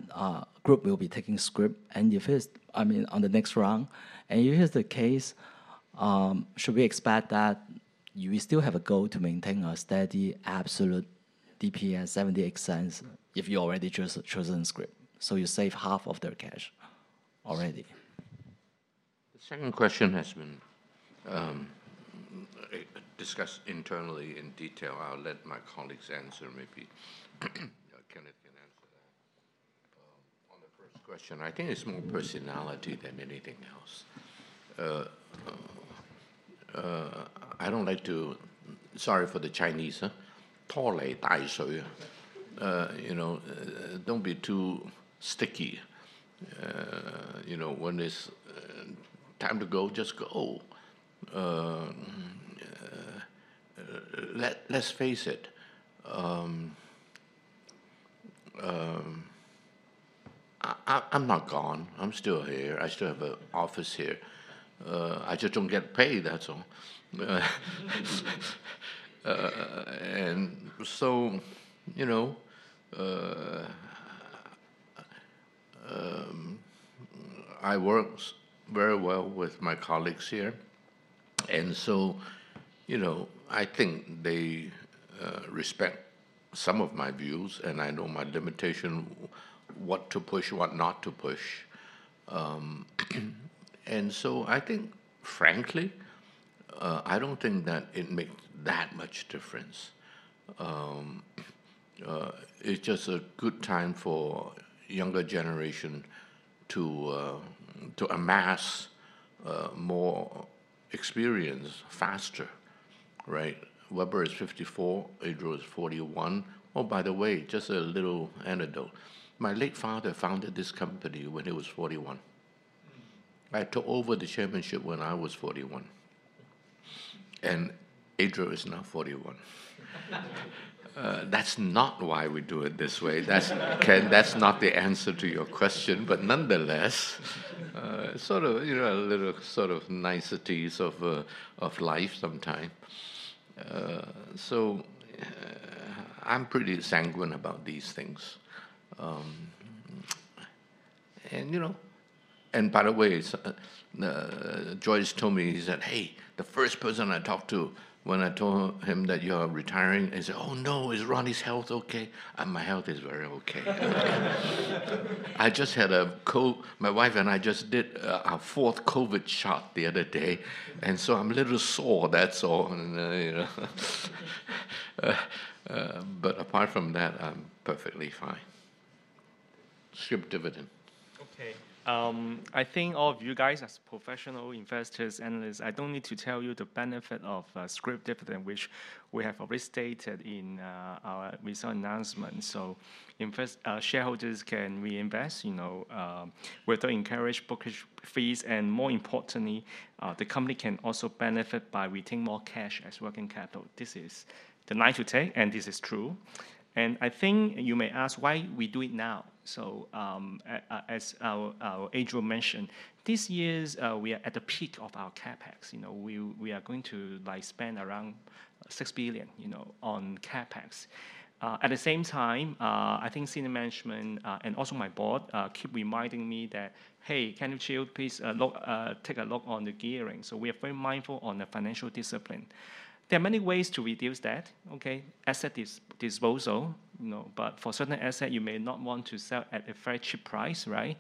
group will be taking scrip, and if it's, I mean, on the next round, and if it's the case, should we expect that you will still have a goal to maintain a steady, absolute DPS 0.78 if you already chosen scrip? So you save half of their cash already. The second question has been discussed internally in detail. I'll let my colleagues answer, maybe Kenneth can answer that. On the first question, I think it's more personality than anything else. I don't like to... Sorry for the Chinese, huh? You know, don't be too sticky. You know, when it's time to go, just go. Let's face it, I'm not gone. I'm still here. I still have a office here. I just don't get paid, that's all. And so, you know, I work very well with my colleagues here, and so, you know, I think they respect some of my views, and I know my limitation, what to push, what not to push. And so I think, frankly, I don't think that it makes that much difference. It's just a good time for younger generation to amass more experience faster, right? Weber is 54, Adriel is 41. Oh, by the way, just a little anecdote. My late father founded this company when he was 41. I took over the chairmanship when I was 41, and Adriel is now 41. That's not why we do it this way. That's, Ken, that's not the answer to your question, but nonetheless, sort of, you know, a little sort of niceties of of life sometime. So, I'm pretty sanguine about these things. And you know... By the way, Joyce told me, he said, "Hey," the first person I talked to when I told him that you're retiring, he said, "Oh, no, is Ronnie's health okay?" And my health is very okay. I just had a COVID, my wife and I just did our fourth COVID shot the other day, and so I'm a little sore, that's all, you know. But apart from that, I'm perfectly fine. Scrip Dividend. Okay. I think all of you guys, as professional investors, analysts, I don't need to tell you the benefit of scrip dividend, which we have already stated in our recent announcement. So investors shareholders can reinvest, you know, with the encourage brokerage fees, and more importantly, the company can also benefit by retaining more cash as working capital. This is the knife you take, and this is true. And I think you may ask, why we do it now? So, as our Adriel mentioned, this year we are at the peak of our CapEx. You know, we are going to like spend around 6 billion, you know, on CapEx. At the same time, I think senior management and also my board keep reminding me that, "Hey, Kenneth Chiu, please, look, take a look on the gearing." So we are very mindful on the financial discipline. There are many ways to reduce that, okay? Asset disposal, you know, but for certain asset, you may not want to sell at a very cheap price, right?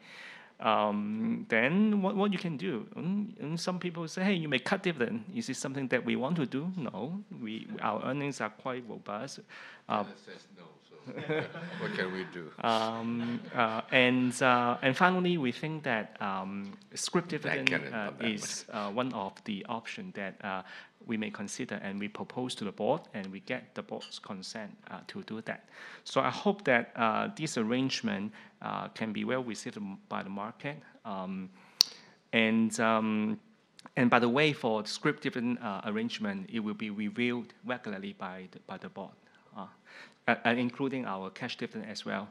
Then what you can do? And some people say, "Hey, you may cut dividend." Is it something that we want to do? No. Our earnings are quite robust. Kenneth says no, so what can we do? Finally, we think that scrip dividend- Thank you, Kenneth-... is one of the option that we may consider, and we propose to the board, and we get the board's consent to do that. So I hope that this arrangement can be well received by the market.... And by the way, for scrip dividend arrangement, it will be reviewed regularly by the board, and including our cash dividend as well.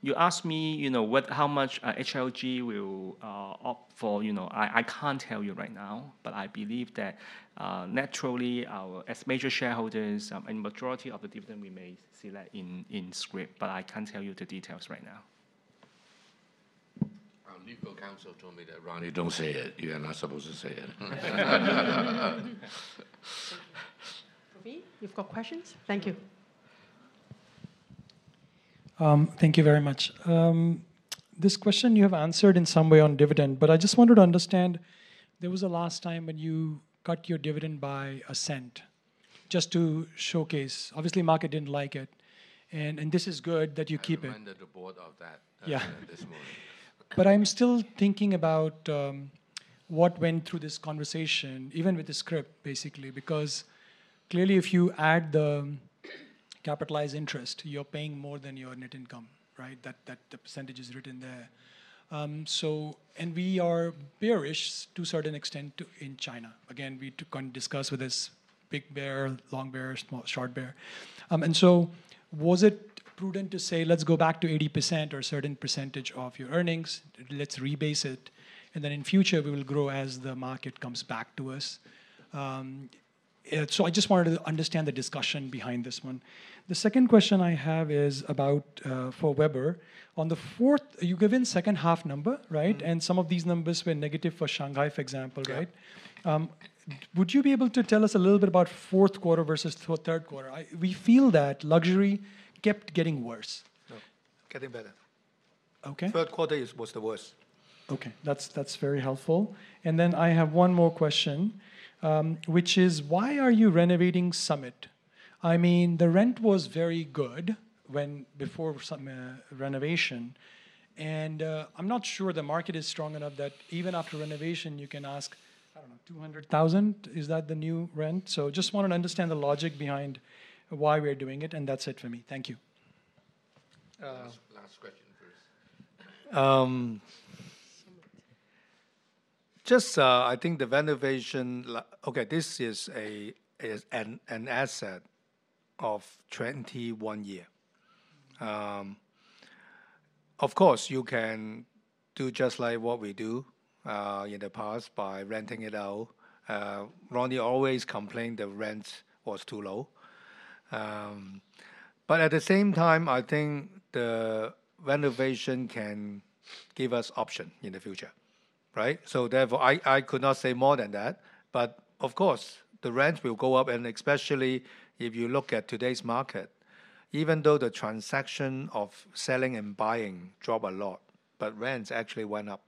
You asked me, you know, what - how much HLG will opt for. You know, I can't tell you right now, but I believe that, naturally, our... As major shareholders, and majority of the dividend, we may see that in scrip, but I can't tell you the details right now. Legal counsel told me that, "Ronnie, don't say it. You are not supposed to say it. Ravi, you've got questions? Thank you. Thank you very much. This question you have answered in some way on dividend, but I just wanted to understand, there was a last time when you cut your dividend by a cent, just to showcase. Obviously, market didn't like it, and this is good that you keep it. I reminded the board of that- Yeah this morning. But I'm still thinking about what went through this conversation, even with the script, basically. Because clearly, if you add the capitalized interest, you're paying more than your net income, right? That, that, the percentage is written there. So and we are bearish to a certain extent in China. Again, we can discuss with this big bear, long bear, small, short bear. And so was it prudent to say, let's go back to 80% or a certain percentage of your earnings, let's rebase it, and then in future, we will grow as the market comes back to us? So I just wanted to understand the discussion behind this one. The second question I have is about, for Weber. On the fourth... You gave in H2 number, right? Mm. Some of these numbers were negative for Shanghai, for example, right? Yeah. Would you be able to tell us a little bit about Q4 versus Q3? We feel that luxury kept getting worse. No, getting better. Okay. Third quarter is, was the worst. Okay, that's, that's very helpful. And then, I have one more question, which is: why are you renovating Summit? I mean, the rent was very good when before some renovation. And, I'm not sure the market is strong enough that even after renovation, you can ask, I don't know, 200,000. Is that the new rent? So just want to understand the logic behind why we're doing it, and that's it for me. Thank you. Uh- Last question first. Um- Summit. Just, I think the renovation—okay, this is an asset of 21 years. Of course, you can do just like what we do in the past by renting it out. Ronnie always complained the rent was too low. But at the same time, I think the renovation can give us option in the future, right? So therefore, I could not say more than that, but of course, the rent will go up, and especially if you look at today's market, even though the transaction of selling and buying drop a lot, but rents actually went up.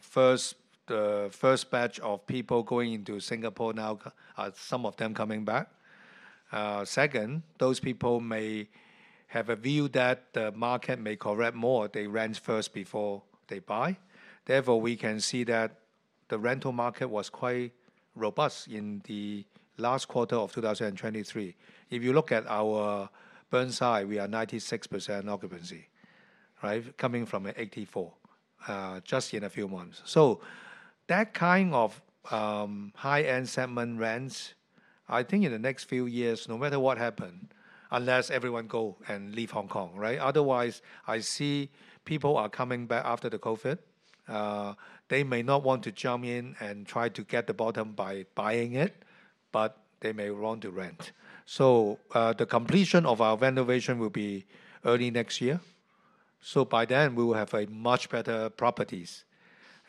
First, the first batch of people going into Singapore now, some of them coming back. Second, those people may have a view that the market may correct more, they rent first before they buy. Therefore, we can see that the rental market was quite robust in the last quarter of 2023. If you look at our Burnside, we are 96% occupancy, right? Coming from an 84%, just in a few months. So that kind of high-end segment rents, I think in the next few years, no matter what happen, unless everyone go and leave Hong Kong, right? Otherwise, I see people are coming back after the COVID. They may not want to jump in and try to get the bottom by buying it, but they may want to rent. So, the completion of our renovation will be early next year. So by then, we will have a much better properties,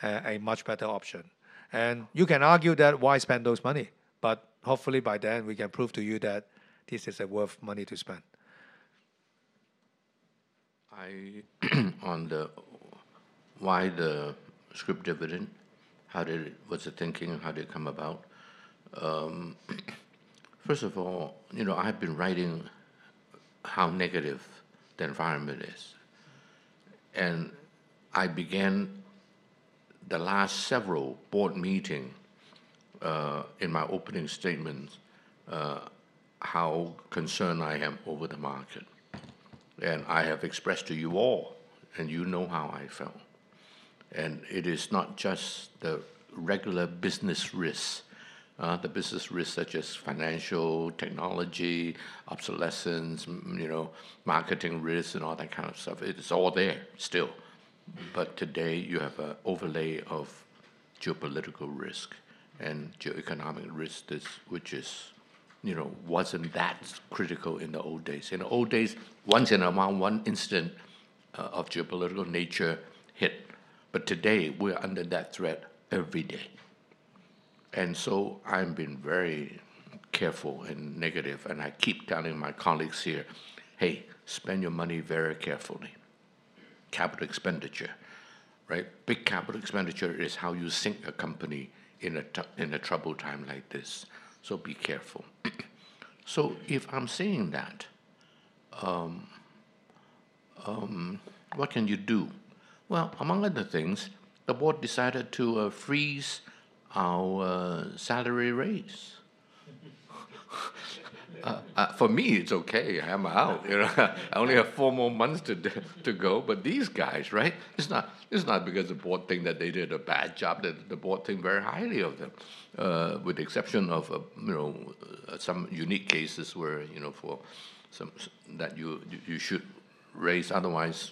a much better option. And you can argue that, why spend those money? But hopefully, by then, we can prove to you that this is a worth money to spend. On the why the scrip dividend, how did... What's the thinking and how did it come about? First of all, you know, I have been writing how negative the environment is. And I began the last several board meetings in my opening statements how concerned I am over the market. And I have expressed to you all, and you know how I felt. And it is not just the regular business risks, the business risks such as financial, technology, obsolescence, you know, marketing risks, and all that kind of stuff. It is all there, still. But today, you have an overlay of geopolitical risk and geo-economic risk, which is, you know, wasn't that critical in the old days. In the old days, once in a while, one incident of geopolitical nature hit, but today, we're under that threat every day. So I've been very careful and negative, and I keep telling my colleagues here, "Hey, spend your money very carefully." Capital expenditure, right? Big capital expenditure is how you sink a company in a troubled time like this, so be careful. So if I'm saying that, what can you do? Well, among other things, the board decided to freeze our salary raise. For me, it's okay. I'm out, you know? I only have four more months to go, but these guys, right? It's not because the board think that they did a bad job, that the board think very highly of them. With the exception of some unique cases where, you know, for some that you should raise otherwise,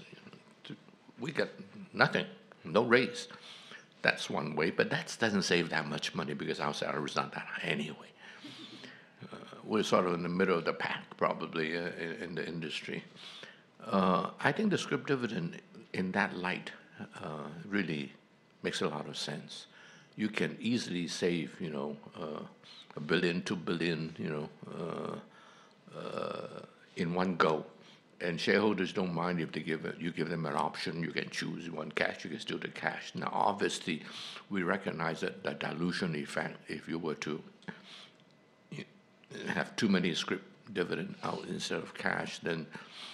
we get nothing, no raise. That's one way, but that doesn't save that much money because our salaries not that high anyway. We're sort of in the middle of the pack, probably, in the industry. I think the scrip dividend in that light really makes a lot of sense. You can easily save, you know, 1 billion, 2 billion, you know, in one go. And shareholders don't mind if they give a- you give them an option. You can choose you want cash, you can still do cash. Now, obviously, we recognize that the dilution effect, if you were to have too many scrip dividend out instead of cash, then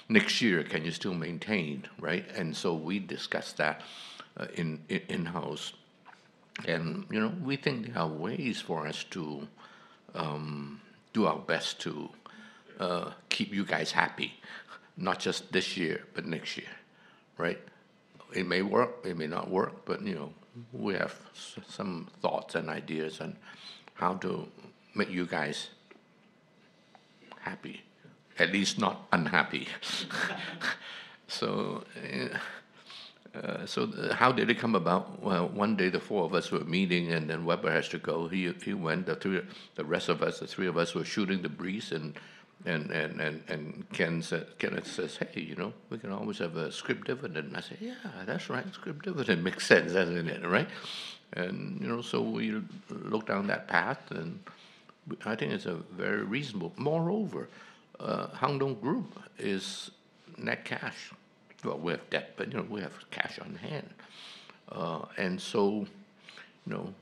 next year, can you still maintain, right? And so we discussed that in-house. You know, we think there are ways for us to do our best to keep you guys happy, not just this year, but next year, right? It may work, it may not work, but, you know, we have some thoughts and ideas on how to make you guys happy, at least not unhappy. So, how did it come about? Well, one day, the four of us were meeting, and then Weber had to go. He went. The rest of us, the three of us, were shooting the breeze, and Ken said, Kenneth says, "Hey, you know, we can always have a Scrip Dividend." I said, "Yeah, that's right. Scrip Dividend makes sense, doesn't it?" Right? And, you know, so we looked down that path, and I think it's very reasonable. Moreover, Hang Lung Group is net cash. Well, we have debt, but, you know, we have cash on hand. And so, you know,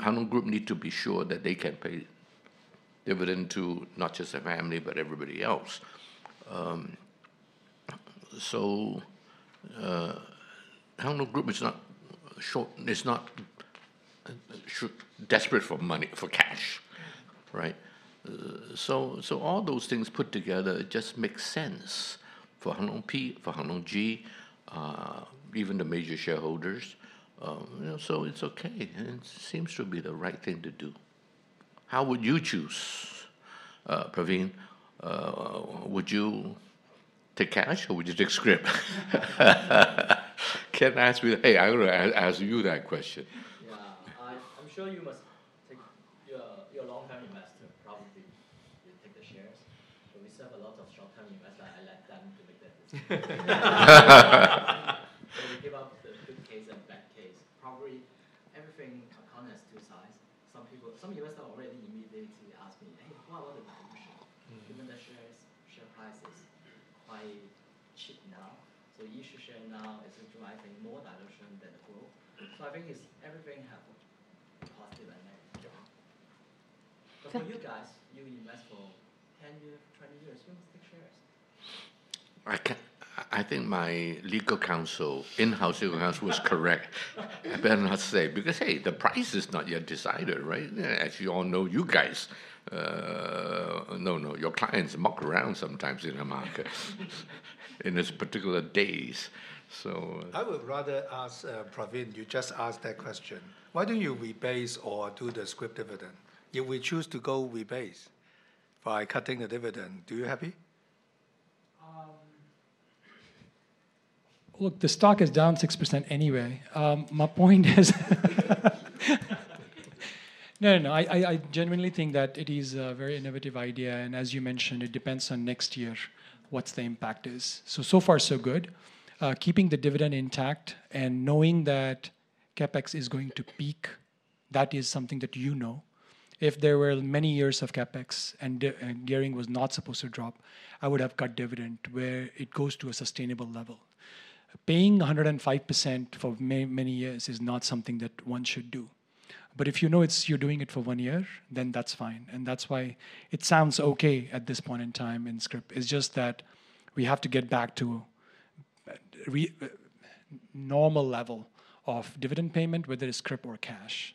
Hang Lung Group need to be sure that they can pay dividend to not just their family, but everybody else. So, Hang Lung Group is not short... It's not short- desperate for money, for cash, right? So, all those things put together, it just makes sense for Hang Lung P, for Hang Lung G, even the major shareholders. You know, so it's okay, and it seems to be the right thing to do. How would you choose, Praveen? Would you take cash, or would you take scrip? Ken asked me. Hey, I'm gonna ask you that question. Yeah. I'm sure you must take... You're a long-term investor, probably you take the shares. But we still have a lot of short-term investor, I let them to make the decision. When we give out the good case and bad case, probably everything, a coin has two sides. Some people, some of us are already immediately asking, "Hey, what about the dilution? Mm. Even the shares, share price is quite cheap now. So you issue share now, it's driving more dilution than the growth. So I think it's everything have a positive and negative. But for you guys, you invest for 10 years, 20 years, you must take shares. I think my legal counsel, in-house legal counsel was correct. I better not say, because, hey, the price is not yet decided, right? As you all know, you guys, no, no, your clients muck around sometimes in the market in its particular days. So- I would rather ask, Praveen, you just asked that question. Why don't you rebase or do the Scrip Dividend? If we choose to go rebase by cutting the dividend, do you happy? Look, the stock is down 6% anyway. My point is... No, no, I genuinely think that it is a very innovative idea, and as you mentioned, it depends on next year, what's the impact is. So far, so good. Keeping the dividend intact and knowing that CapEx is going to peak, that is something that you know. If there were many years of CapEx and gearing was not supposed to drop, I would have cut dividend where it goes to a sustainable level. Paying 105% for many, many years is not something that one should do. But if you know it's you're doing it for one year, then that's fine, and that's why it sounds okay at this point in time in scrip.It's just that we have to get back to normal level of dividend payment, whether it's scrip or cash.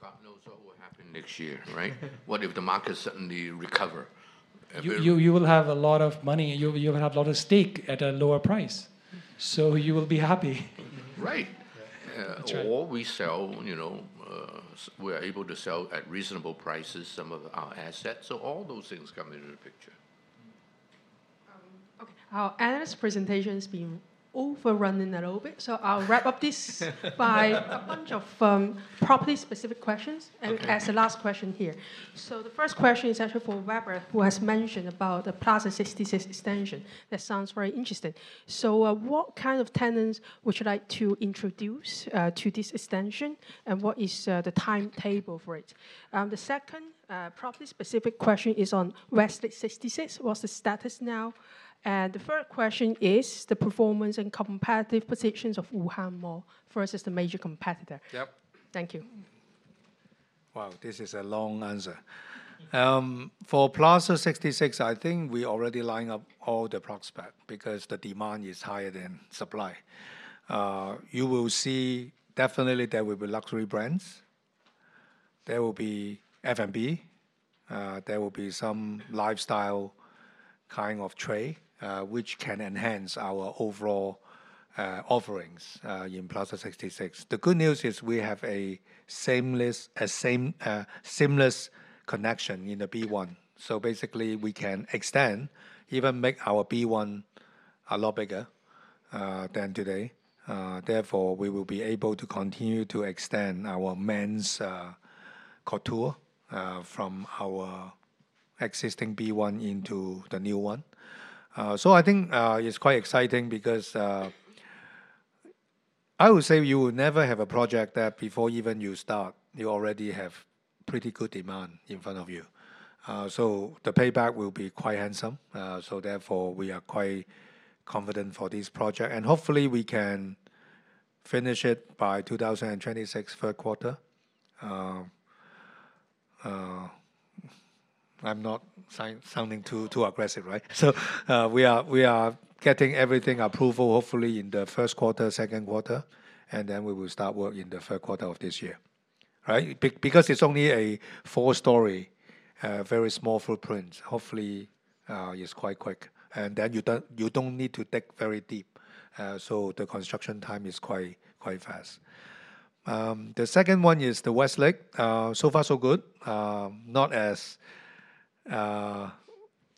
God knows what will happen next year, right? What if the market suddenly recover? Every- You will have a lot of money, and you'll have a lot of stake at a lower price, so you will be happy. Right. That's right. or we sell, you know, we're able to sell at reasonable prices some of our assets. So all those things come into the picture. Okay. Our analyst presentation has been overrunning a little bit, so I'll wrap up this by a bunch of probably specific questions. Okay... and as the last question here. So the first question is actually for Weber, who has mentioned about the Plaza 66 extension. That sounds very interesting. So, what kind of tenants would you like to introduce to this extension, and what is the timetable for it? The second, probably specific question is on Westlake 66. What's the status now? And the third question is the performance and competitive positions of Wuhan mall versus the major competitor. Yep. Thank you. Wow, this is a long answer. For Plaza 66, I think we already line up all the prospects because the demand is higher than supply. You will see definitely there will be luxury brands. There will be F&B, there will be some lifestyle kind of trade, which can enhance our overall offerings in Plaza 66. The good news is we have a seamless connection in the B1, so basically we can extend, even make our B1 a lot bigger than today. Therefore, we will be able to continue to extend our men's couture from our existing B1 into the new one. So I think it's quite exciting because I would say you will never have a project that before even you start, you already have pretty good demand in front of you. So the payback will be quite handsome. So therefore, we are quite confident for this project, and hopefully we can finish it by 2026, Q3. I'm not sounding too aggressive, right? So we are getting every approval, hopefully in the first quarter, second quarter, and then we will start work in the Q3 of this year. Right? Because it's only a four-story, very small footprint, hopefully, it's quite quick. And then you don't need to dig very deep, so the construction time is quite fast. The second one is the Westlake. So far, so good. Not as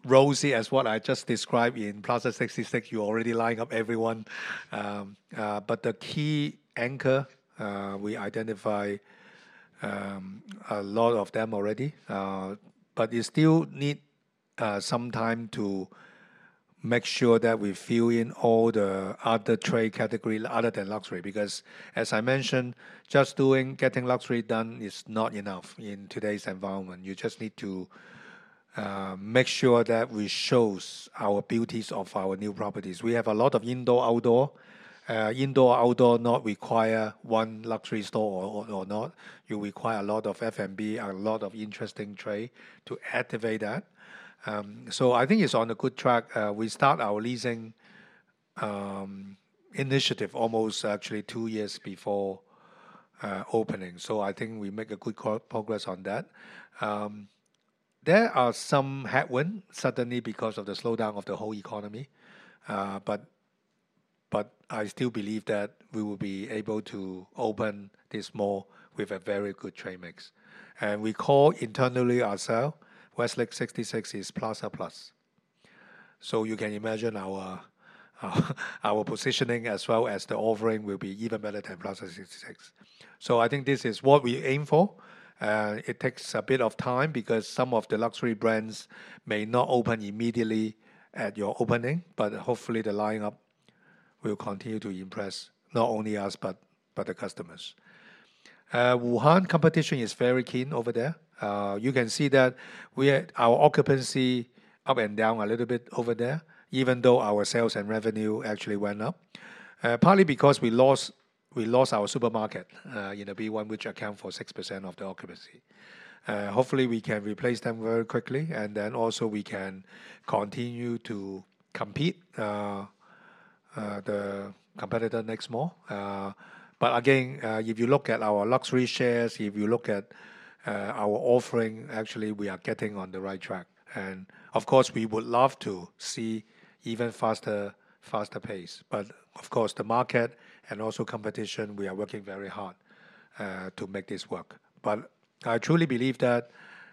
rosy as what I just described in Plaza 66, you already line up everyone, but the key anchor we identify a lot of them already. But you still need some time to make sure that we fill in all the other trade category other than luxury. Because as I mentioned, just getting luxury done is not enough in today's environment. You just need to make sure that we shows our beauties of our new properties. We have a lot of indoor, outdoor. Indoor, outdoor not require one luxury store or not. You require a lot of F&B and a lot of interesting trade to activate that. So I think it's on a good track. We start our leasing initiative almost actually 2 years before opening. So I think we make good progress on that. There are some headwind, suddenly because of the slowdown of the whole economy, but, but I still believe that we will be able to open this mall with a very good trade mix. And we call internally ourself, Westlake 66 is Plaza Plus. So you can imagine our, our positioning as well as the offering will be even better than Plaza 66. So I think this is what we aim for. It takes a bit of time because some of the luxury brands may not open immediately at your opening, but hopefully the line up will continue to impress not only us, but, but the customers. Wuhan competition is very keen over there. You can see that we had our occupancy up and down a little bit over there, even though our sales and revenue actually went up. Partly because we lost, we lost our supermarket in the B1, which account for 6% of the occupancy. Hopefully, we can replace them very quickly, and then also we can continue to compete the competitor next mall. But again, if you look at our luxury shares, if you look at our offering, actually, we are getting on the right track. Of course, we would love to see even faster, faster pace, but of course, the market and also competition, we are working very hard to make this work. But I truly believe that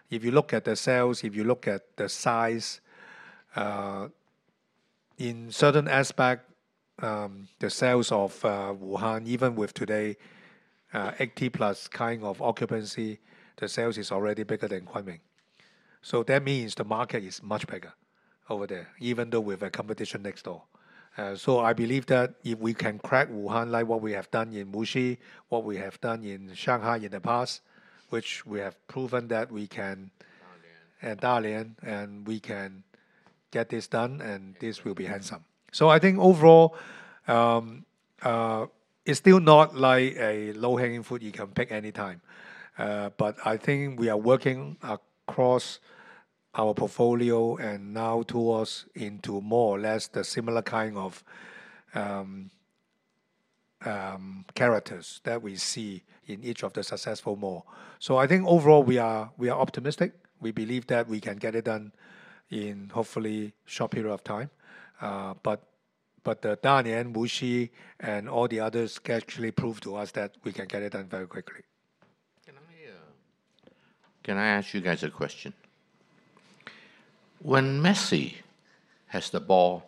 if you look at the sales, if you look at the size, in certain aspect, the sales of Wuhan, even with today, 80+ kind of occupancy, the sales is already bigger than Kunming. So that means the market is much bigger over there, even though we have a competition next door. So I believe that if we can crack Wuhan, like what we have done in Wuxi, what we have done in Shanghai in the past, which we have proven that we can- Dalian. And Dalian, and we can get this done, and this will be handsome. So I think overall, it's still not like a low-hanging fruit you can pick any time. But I think we are working across our portfolio and now towards into more or less the similar kind of characters that we see in each of the successful mall. So I think overall, we are, we are optimistic. We believe that we can get it done in hopefully short period of time. But Dalian, Wuxi, and all the others can actually prove to us that we can get it done very quickly. Can I ask you guys a question? When Messi has the ball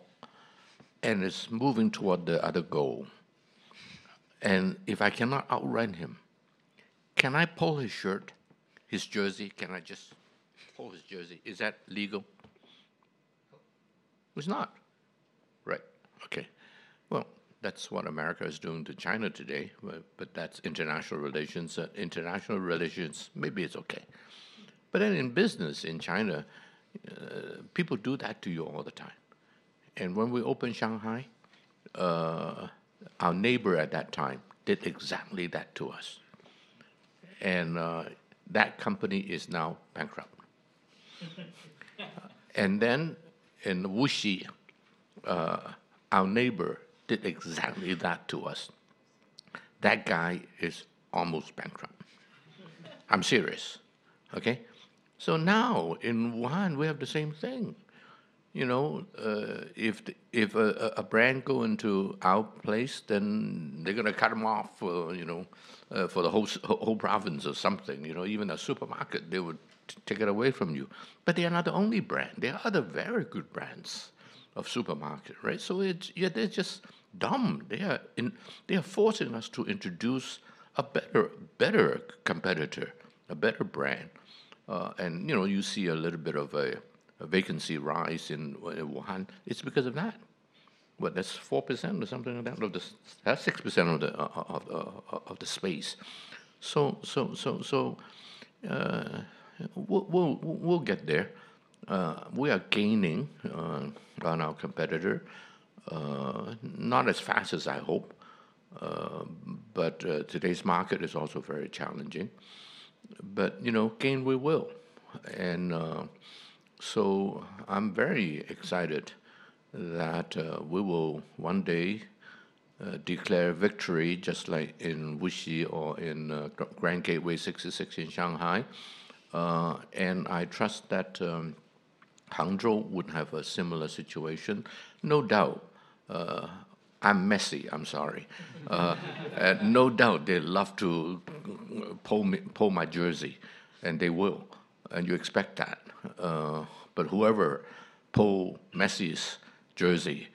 and is moving toward the other goal, and if I cannot outrun him, can I pull his shirt, his jersey? Can I just pull his jersey? Is that legal? It's not! Right. Okay. Well, that's what America is doing to China today, but that's international relations. International relations, maybe it's okay. But then in business in China, people do that to you all the time. And when we opened Shanghai, our neighbor at that time did exactly that to us. And that company is now bankrupt. And then in Wuxi, our neighbor did exactly that to us. That guy is almost bankrupt. I'm serious, okay? So now in Wuhan, we have the same thing. You know, if a brand go into our place, then they're gonna cut him off for, you know, for the whole province or something. You know, even a supermarket, they would take it away from you. But they are not the only brand. There are other very good brands of supermarket, right? So it's... Yeah, they're just dumb. They are forcing us to introduce a better competitor, a better brand. And, you know, you see a little bit of a vacancy rise in Wuhan. It's because of that. Well, that's 4% or something like that, or just... That's 6% of the space. So, we'll get there. We are gaining on our competitor. Not as fast as I hope, but today's market is also very challenging. But, you know, gain we will. And so I'm very excited that we will one day declare victory, just like in Wuxi or in Grand Gateway 66 in Shanghai. And I trust that Hangzhou would have a similar situation. No doubt, I'm Messi, I'm sorry. No doubt they'd love to pull my jersey, and they will, and you expect that. But whoever pull Messi's jersey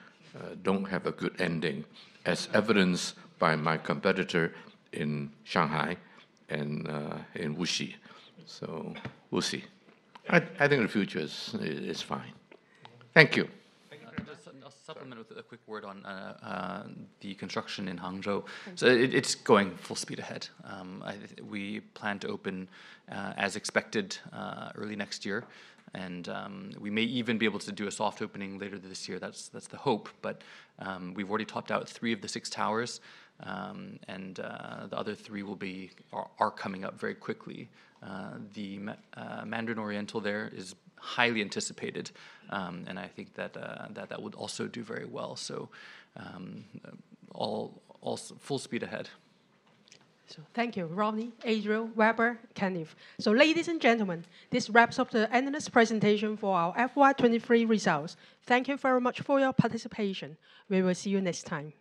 don't have a good ending, as evidenced by my competitor in Shanghai and in Wuxi. So we'll see. I think the future is fine. Thank you. Thank you very much. I'll just, I'll supplement with a quick word on the construction in Hangzhou. Thank you. So it's going full speed ahead. We plan to open, as expected, early next year, and we may even be able to do a soft opening later this year. That's the hope, but we've already topped out three of the six towers. And the other three are coming up very quickly. The Mandarin Oriental there is highly anticipated, and I think that would also do very well. So all full speed ahead. Thank you, Ronnie, Adriel, Weber, Kenneth. Ladies and gentlemen, this wraps up the analyst presentation for our FY23 results. Thank you very much for your participation. We will see you next time.